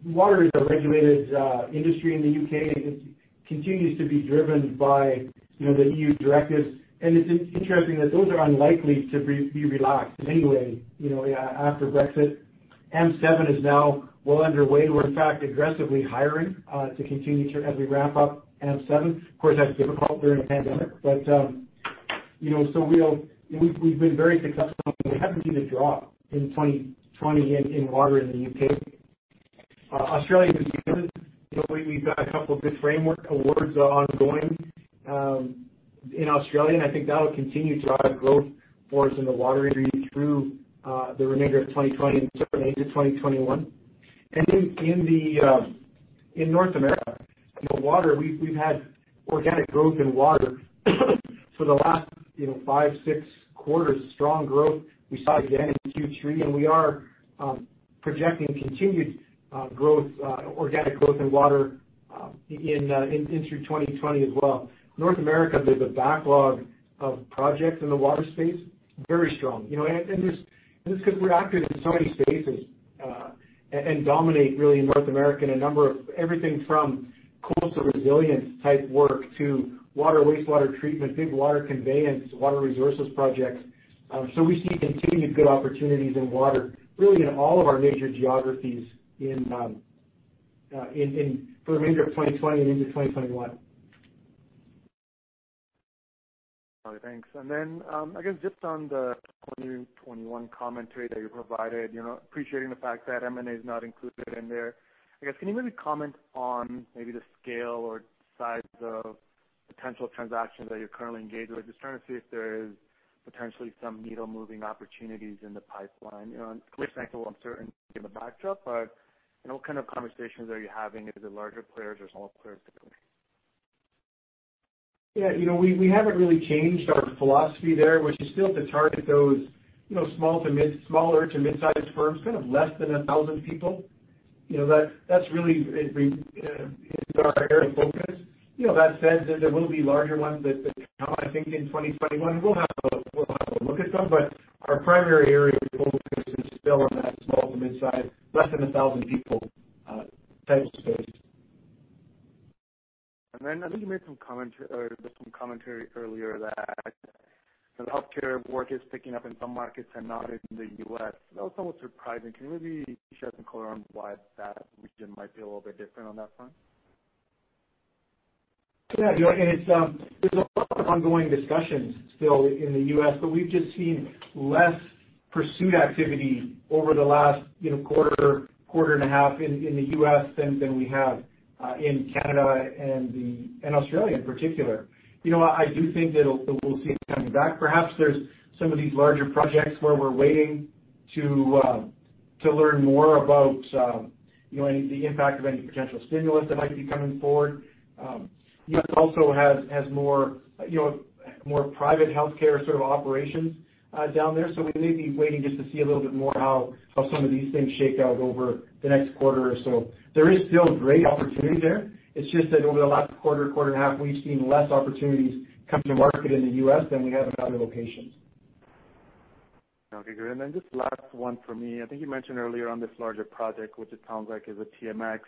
water is a regulated industry in the U.K., and it continues to be driven by the EU directives. It's interesting that those are unlikely to be relaxed in any way after Brexit. M7 is now well underway. We're, in fact, aggressively hiring as we wrap up M7. Of course, that's difficult during a pandemic. We've been very successful. We haven't seen a drop in 2020 in water in the U.K. Australia and New Zealand, we've got a couple of good framework awards ongoing in Australia, and I think that'll continue to drive growth for us in the water industry through the remainder of 2020 and certainly into 2021. In North America, we've had organic growth in water for the last five, six quarters. Strong growth we saw again in Q3. We are projecting continued organic growth in water in through 2020 as well. North America, there's a backlog of projects in the water space, very strong. Just because we're active in so many spaces, and dominate really in North America in a number of everything from coastal resilience type work to wastewater treatment, big water conveyance, water resources projects. We see continued good opportunities in water, really in all of our major geographies for the remainder of 2020 and into 2021. Got it. Thanks. Just on the 2021 commentary that you provided. Appreciating the fact that M&A is not included in there. Can you maybe comment on maybe the scale or size of potential transactions that you're currently engaged with, if there is potentially some needle-moving opportunities in the pipeline? Stantec will have certainty in the backdrop, but what kind of conversations are you having? Is it larger players or smaller players typically? Yeah. We haven't really changed our philosophy there, which is still to target those smaller to mid-sized firms, kind of less than 1,000 people. That's really is our area of focus. That said, there will be larger ones that come, I think, in 2021. We'll have a look at them, but our primary area of focus is still on that small to mid-size, less than 1,000 people type space. I think you made some commentary earlier that the healthcare work is picking up in some markets and not in the U.S. That was somewhat surprising. Can you maybe shed some color on why that region might be a little bit different on that front? Yeah. There's a lot of ongoing discussions still in the U.S., we've just seen less pursuit activity over the last quarter and a half in the U.S. than we have in Canada and Australia in particular. I do think that we'll see it coming back. Perhaps there's some of these larger projects where we're waiting to learn more about the impact of any potential stimulus that might be coming forward. U.S. also has more private healthcare sort of operations down there. We may be waiting just to see a little bit more how some of these things shake out over the next quarter or so. There is still great opportunity there. It's just that over the last quarter and a half, we've seen less opportunities come to market in the U.S. than we have in other locations. Okay, great. Just last one from me. I think you mentioned earlier on this larger project, which it sounds like is a TMX.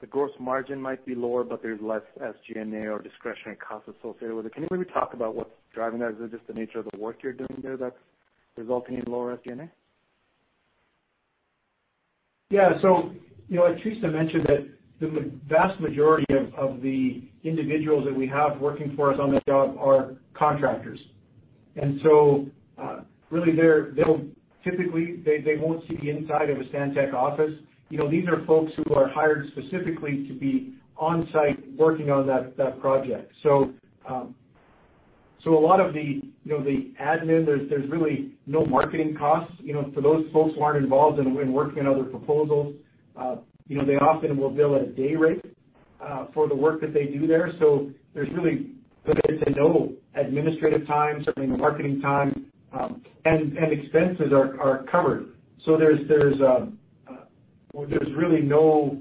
The gross margin might be lower, but there's less SG&A or discretionary costs associated with it. Can you maybe talk about what's driving that? Is it just the nature of the work you're doing there that's resulting in lower SG&A? Yeah. As Theresa mentioned, the vast majority of the individuals that we have working for us on the job are contractors. Really, typically, they won't see the inside of a Stantec office. These are folks who are hired specifically to be on-site working on that project. A lot of the admin, there's really no marketing costs. For those folks who aren't involved in working on other proposals, they often will bill a day rate for the work that they do there. There's really limited to no administrative time, certainly no marketing time, and expenses are covered. There's really none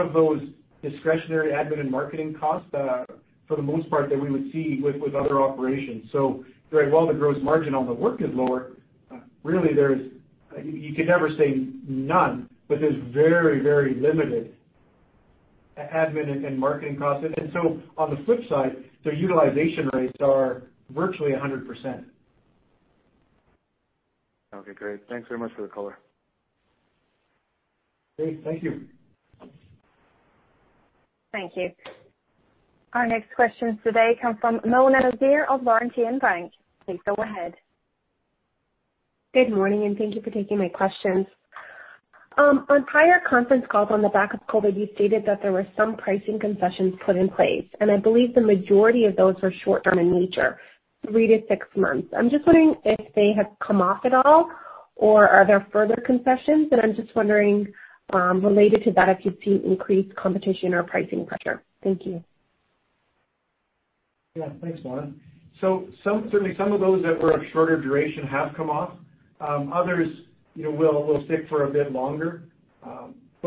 of those discretionary admin and marketing costs, for the most part, that we would see with other operations. While the gross margin on the work is lower, really you could never say none, but there's very limited admin and marketing costs. On the flip side, their utilization rates are virtually 100%. Okay, great. Thanks very much for the color. Great. Thank you. Thank you. Our next questions today come from Mona Nazir of Laurentian Bank. Please go ahead. Good morning. Thank you for taking my questions. On prior conference calls on the back of COVID-19, you stated that there were some pricing concessions put in place, and I believe the majority of those were short-term in nature, three to six months. I'm just wondering if they have come off at all, or are there further concessions? I'm just wondering, related to that, if you've seen increased competition or pricing pressure. Thank you. Thanks, Mona. Certainly some of those that were of shorter duration have come off. Others will stick for a bit longer.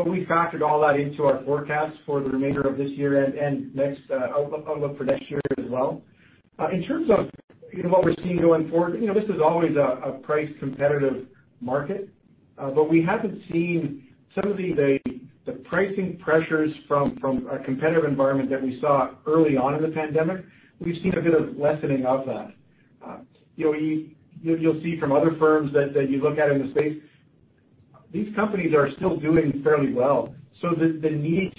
We factored all that into our forecasts for the remainder of this year and outlook for next year as well. In terms of what we're seeing going forward, this is always a price-competitive market. We haven't seen some of the pricing pressures from a competitive environment that we saw early on in the pandemic. We've seen a bit of lessening of that. You'll see from other firms that you look at in the space, these companies are still doing fairly well. The need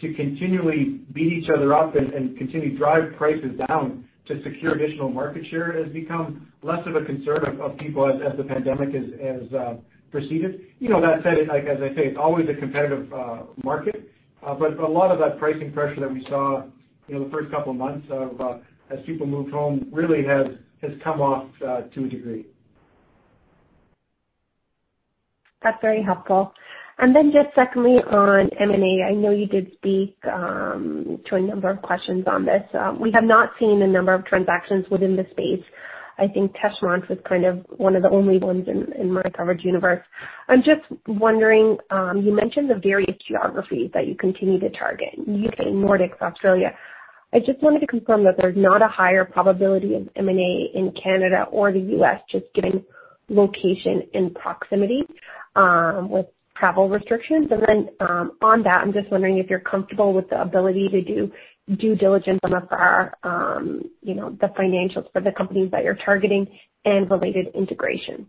to continually beat each other up and continually drive prices down to secure additional market share has become less of a concern of people as the pandemic has proceeded. That said, as I say, it's always a competitive market. A lot of that pricing pressure that we saw the first couple of months as people moved home really has come off to a degree. That's very helpful. Just secondly, on M&A, I know you did speak to a number of questions on this. We have not seen a number of transactions within the space. I think Teshmont was kind of one of the only ones in my coverage universe. I'm just wondering, you mentioned the various geographies that you continue to target, U.K., Nordics, Australia. I just wanted to confirm that there's not a higher probability of M&A in Canada or the U.S., just given location and proximity with travel restrictions. Then, on that, I'm just wondering if you're comfortable with the ability to do due diligence on the financials for the companies that you're targeting and related integration.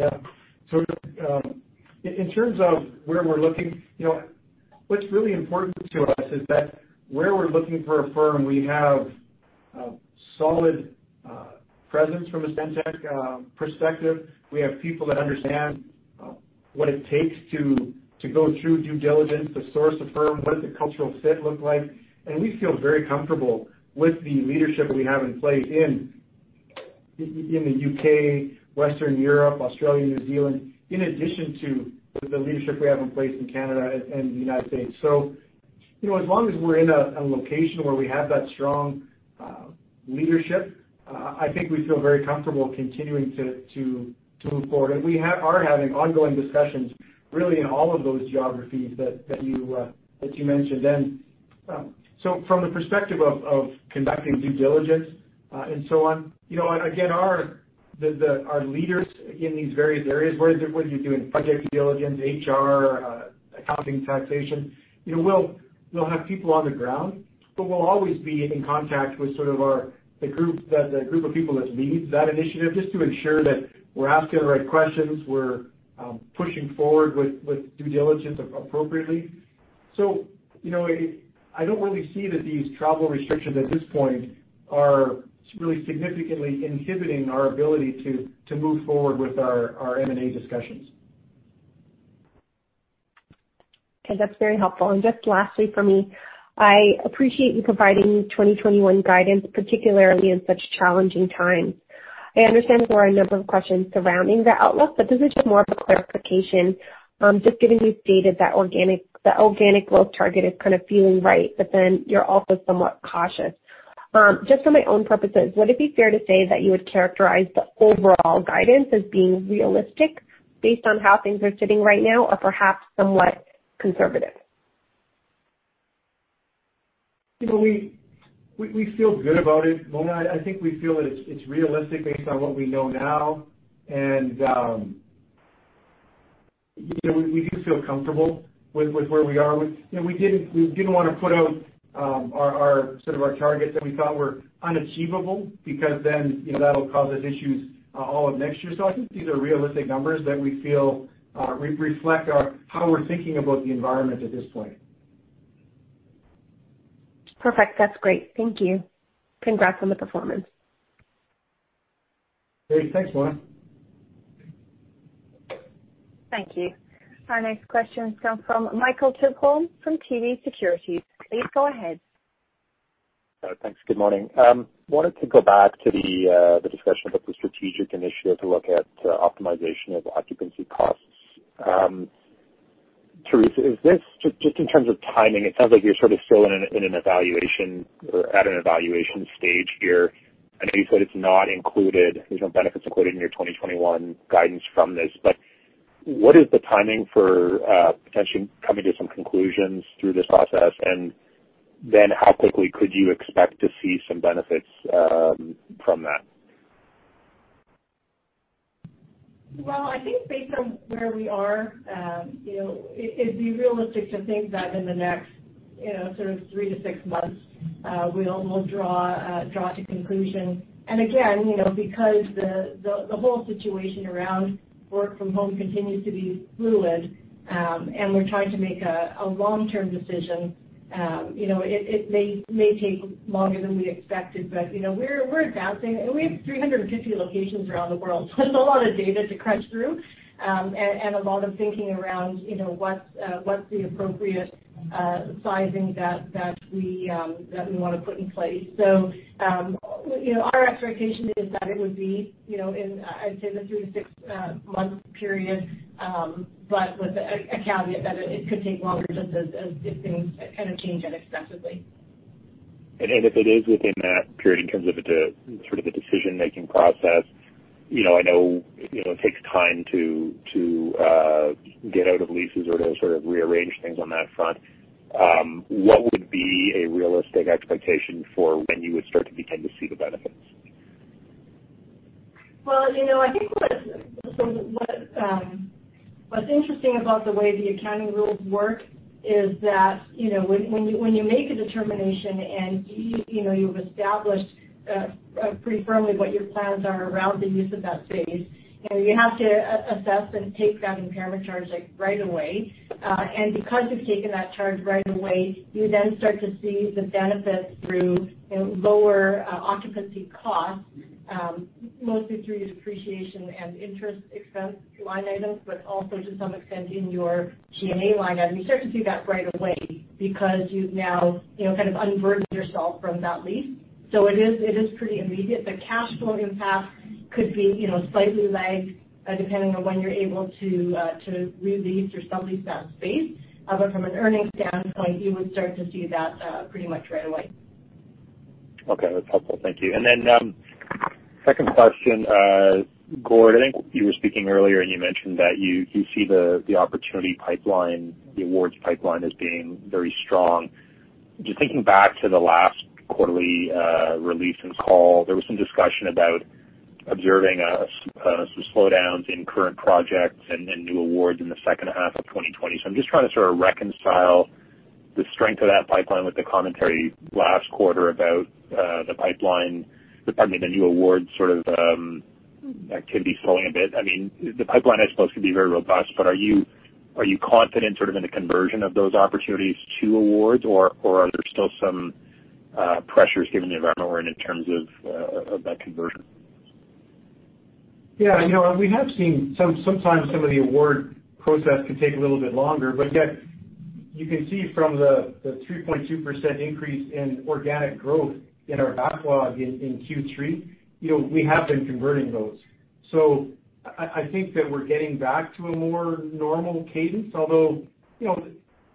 Yeah. In terms of where we're looking, what's really important to us is that where we're looking for a firm, we have a solid presence from a Stantec perspective. We have people that understand what it takes to go through due diligence, to source a firm, what does a cultural fit look like? We feel very comfortable with the leadership we have in place in the U.K., Western Europe, Australia, New Zealand, in addition to the leadership we have in place in Canada and the U.S. As long as we're in a location where we have that strong leadership, I think we feel very comfortable continuing to move forward. We are having ongoing discussions, really in all of those geographies that you mentioned. From the perspective of conducting due diligence and so on, again, our leaders in these various areas, whether you're doing project due diligence, HR, accounting, taxation, we'll have people on the ground, but we'll always be in contact with sort of the group of people that leads that initiative, just to ensure that we're asking the right questions, we're pushing forward with due diligence appropriately. I don't really see that these travel restrictions at this point are really significantly inhibiting our ability to move forward with our M&A discussions. Okay. That's very helpful. Just lastly for me, I appreciate you providing 2021 guidance, particularly in such challenging times. I understand there are a number of questions surrounding the outlook, this is just more of a clarification. Just given you stated that organic growth target is kind of feeling right, you're also somewhat cautious. Just for my own purposes, would it be fair to say that you would characterize the overall guidance as being realistic based on how things are sitting right now, or perhaps somewhat conservative? We feel good about it, Mona. I think we feel that it's realistic based on what we know now, and we do feel comfortable with where we are. We didn't want to put out our sort of our targets that we thought were unachievable, because then that'll cause us issues all of next year. I think these are realistic numbers that we feel reflect how we're thinking about the environment at this point. Perfect. That's great. Thank you. Congrats on the performance. Great. Thanks, Mona. Thank you. Our next question comes from Michael Tupholme from TD Securities. Please go ahead. Thanks. Good morning. I wanted to go back to the discussion about the strategic initiative to look at optimization of occupancy costs. Theresa, is this just in terms of timing, it sounds like you're sort of still in an evaluation or at an evaluation stage here. I know you said it's not included, there's no benefits included in your 2021 guidance from this. What is the timing for potentially coming to some conclusions through this process? How quickly could you expect to see some benefits from that? Well, I think based on where we are, it'd be realistic to think that in the next sort of three to six months, we'll draw to conclusion. Again, because the whole situation around work from home continues to be fluid, and we're trying to make a long-term decision, it may take longer than we expected. We're advancing, and we have 350 locations around the world, so there's a lot of data to crunch through, and a lot of thinking around what's the appropriate sizing that we want to put in place. Our expectation is that it would be in, I'd say the three to six month period, but with a caveat that it could take longer just as if things kind of change unexpectedly. If it is within that period in terms of the sort of the decision-making process, I know it takes time to get out of leases or to sort of rearrange things on that front. What would be a realistic expectation for when you would start to begin to see the benefits? I think what's interesting about the way the accounting rules work is that when you make a determination and you've established pretty firmly what your plans are around the use of that space, you have to assess and take that impairment charge right away. Because you've taken that charge right away, you then start to see the benefits through lower occupancy costs, mostly through depreciation and interest expense line items, but also to some extent in your G&A line item. You start to see that right away because you've now kind of unburdened yourself from that lease. It is pretty immediate. The cash flow impact could be slightly lagged, depending on when you're able to re-lease or sublease that space. From an earnings standpoint, you would start to see that pretty much right away. Okay. That's helpful. Thank you. Second question. Gord, I think you were speaking earlier, and you mentioned that you see the opportunity pipeline, the awards pipeline as being very strong. Just thinking back to the last quarterly release and call, there was some discussion about observing some slowdowns in current projects and in new awards in the second half of 2020. I'm just trying to sort of reconcile the strength of that pipeline with the commentary last quarter about the pipeline, pardon me, the new award sort of activity slowing a bit. The pipeline is supposed to be very robust, are you confident sort of in the conversion of those opportunities to awards, or are there still some pressures given the environment we're in in terms of that conversion? Yeah. We have seen sometimes some of the award process can take a little bit longer, but yet you can see from the 3.2% increase in organic growth in our backlog in Q3, we have been converting those. I think that we're getting back to a more normal cadence, although,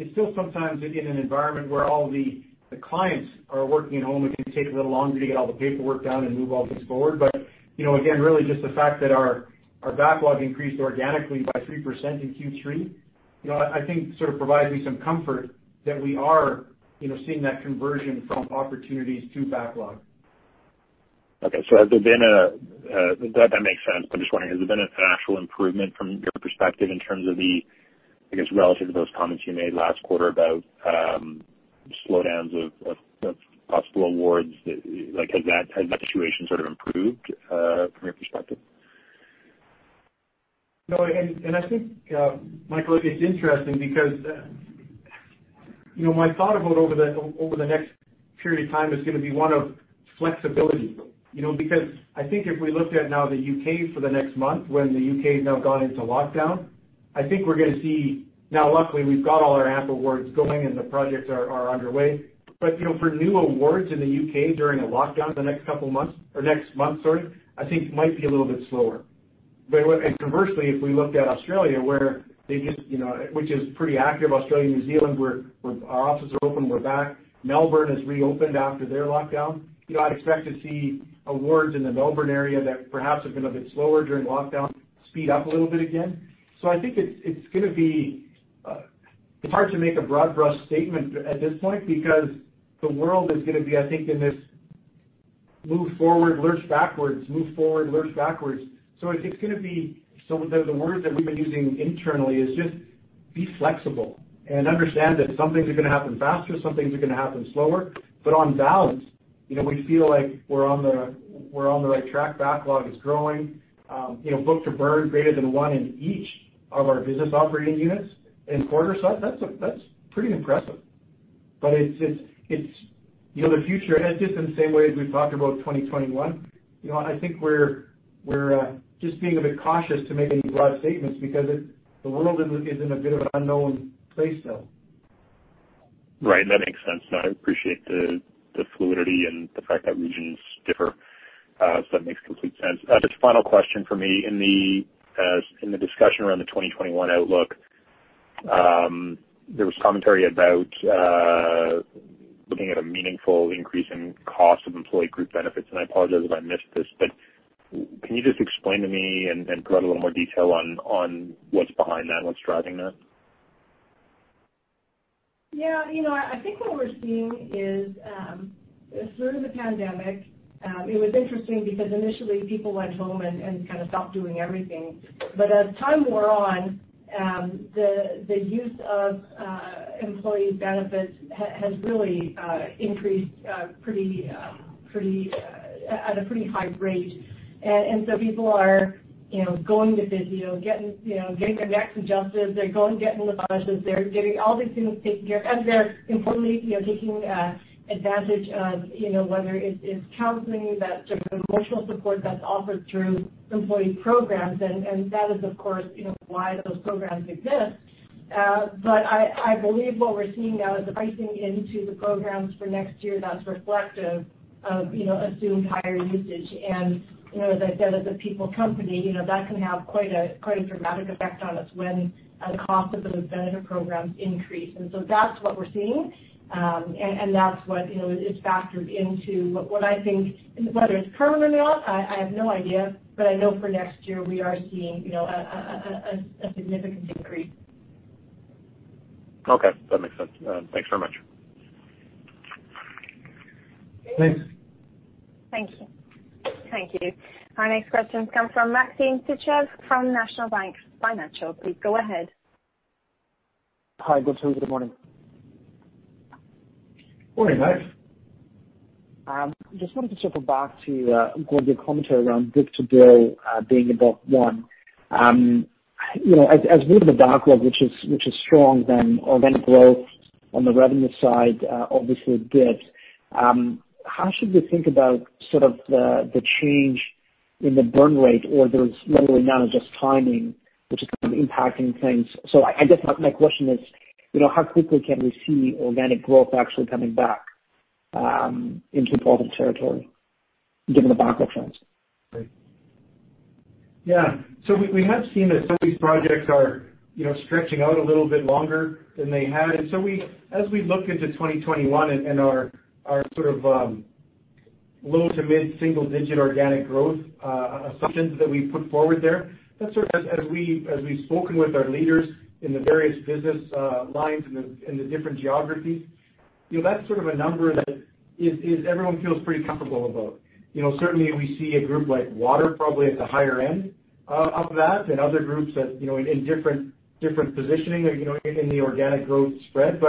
it's still sometimes in an environment where all the clients are working at home, it can take a little longer to get all the paperwork done and move all this forward. Again, really just the fact that our backlog increased organically by 3% in Q3, I think sort of provides me some comfort that we are seeing that conversion from opportunities to backlog. Okay. That makes sense. I'm just wondering, has there been an actual improvement from your perspective in terms of the, I guess, relative to those comments you made last quarter about slowdowns of possible awards, like has that situation sort of improved from your perspective? No. I think, Michael, it's interesting because my thought about over the next period of time is going to be one of flexibility. I think if we looked at now the U.K. for the next month, when the U.K. has now gone into lockdown, I think we're going to see. Now, luckily, we've got all our AMP awards going and the projects are underway. For new awards in the U.K. during a lockdown for the next month, I think might be a little bit slower. Conversely, if we looked at Australia, which is pretty active, Australia and New Zealand, where our offices are open, we're back. Melbourne has reopened after their lockdown. I'd expect to see awards in the Melbourne area that perhaps have been a bit slower during lockdown speed up a little bit again. I think it's hard to make a broad brush statement at this point because the world is going to be, I think, in this move forward, lurch backwards, move forward, lurch backwards. The words that we've been using internally is just be flexible and understand that some things are going to happen faster, some things are going to happen slower. On balance, we feel like we're on the right track. Backlog is growing. Book-to-bill greater than one in each of our business operating units in a quarter. That's pretty impressive. The future, and it's just in the same way as we've talked about 2021, I think we're just being a bit cautious to make any broad statements because the world is in a bit of an unknown place still. Right. That makes sense. I appreciate the fluidity and the fact that regions differ. That makes complete sense. Just final question from me. In the discussion around the 2021 outlook, there was commentary about looking at a meaningful increase in cost of employee group benefits. I apologize if I missed this, can you just explain to me and provide a little more detail on what's behind that, what's driving that? Yeah. I think what we're seeing is through the pandemic, it was interesting because initially people went home and kind of stopped doing everything. As time wore on, the use of employee benefits has really increased at a pretty high rate. People are going to physio, getting their necks adjusted. They're going, getting massages. They're getting all these things taken care of. They're completely taking advantage of, whether it's counseling, that sort of emotional support that's offered through employee programs. That is, of course, why those programs exist. I believe what we're seeing now is the pricing into the programs for next year that's reflective of assumed higher usage. As I said, as a people company, that can have quite a dramatic effect on us when the cost of those benefit programs increase. That's what we're seeing. That's what is factored into what I think, whether it's permanent or not, I have no idea, but I know for next year we are seeing a significant increase. Okay. That makes sense. Thanks very much. Thanks. Thank you. Our next question comes from Maxim Sytchev from National Bank Financial. Please go ahead. Hi, good Tuesday morning. Morning, Max. Just wanted to circle back to, according to your commentary around book-to-bill being above one. As viewed in the backlog, which is strong, organic growth on the revenue side obviously dipped. How should we think about sort of the change in the burn rate? There's literally now just timing, which is kind of impacting things. I guess my question is, how quickly can we see organic growth actually coming back into positive territory given the backlog trends? Yeah. We have seen that some of these projects are stretching out a little bit longer than they had. As we look into 2021 and our sort of low to mid-single digit organic growth assumptions that we've put forward there, that sort of as we've spoken with our leaders in the various business lines in the different geographies, that's sort of a number that everyone feels pretty comfortable about. Certainly, we see a group like water probably at the higher end of that and other groups in different positioning in the organic growth spread.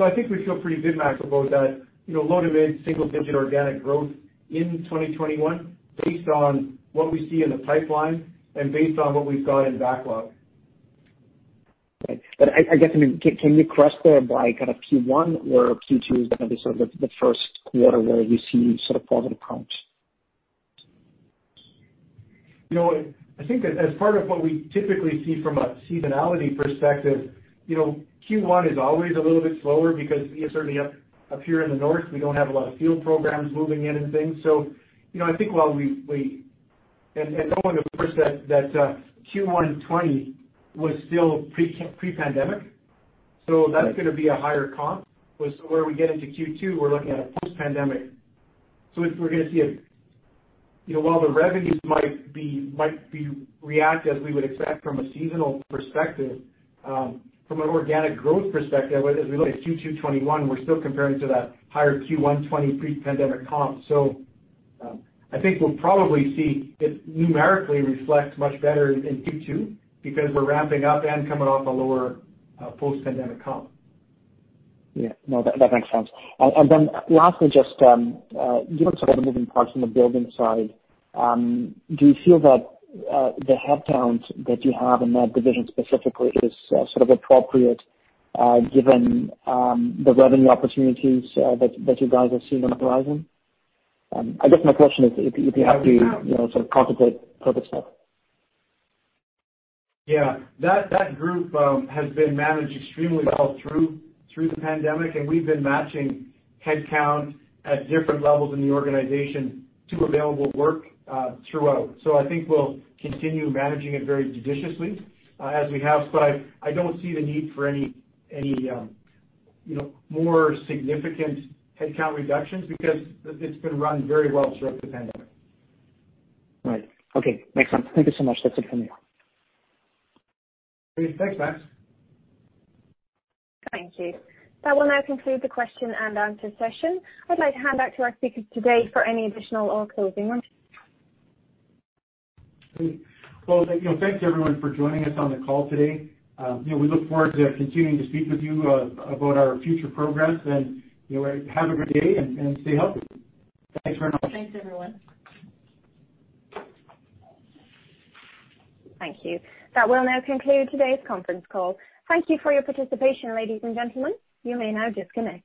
I think we feel pretty good, Max, about that low to mid-single digit organic growth in 2021 based on what we see in the pipeline and based on what we've got in backlog. Right. I guess, can you cross there by kind of Q1 or Q2? Is that going to be sort of the first quarter where we see sort of positive comps? I think as part of what we typically see from a seasonality perspective, Q1 is always a little bit slower because certainly up here in the north, we don't have a lot of field programs moving in and things. I think knowing, of course, that Q1 2020 was still pre-pandemic, that's going to be a higher comp, whereas where we get into Q2, we're looking at a post-pandemic. We're going to see while the revenues might react as we would expect from a seasonal perspective, from an organic growth perspective, as we look at Q2 2021, we're still comparing to that higher Q1 2020 pre-pandemic comp. I think we'll probably see it numerically reflect much better in Q2 because we're ramping up and coming off a lower post-pandemic comp. Yeah. No, that makes sense. Lastly, just given sort of the moving parts in the building side, do you feel that the headcount that you have in that division specifically is sort of appropriate given the revenue opportunities that you guys are seeing on the horizon? I guess my question is if you have to sort of contemplate further stuff. That group has been managed extremely well through the pandemic, and we've been matching headcount at different levels in the organization to available work throughout. I think we'll continue managing it very judiciously as we have. I don't see the need for any more significant headcount reductions because it's been run very well throughout the pandemic. Right. Okay. Makes sense. Thank you so much. That's it from me. Great. Thanks, Max. Thank you. That will now conclude the question and answer session. I'd like to hand back to our speakers today for any additional or closing remarks. Great. Well, thanks everyone for joining us on the call today. We look forward to continuing to speak with you about our future progress, and have a great day and stay healthy. Thanks very much. Thanks, everyone. Thank you. That will now conclude today's conference call. Thank you for your participation, ladies and gentlemen. You may now disconnect.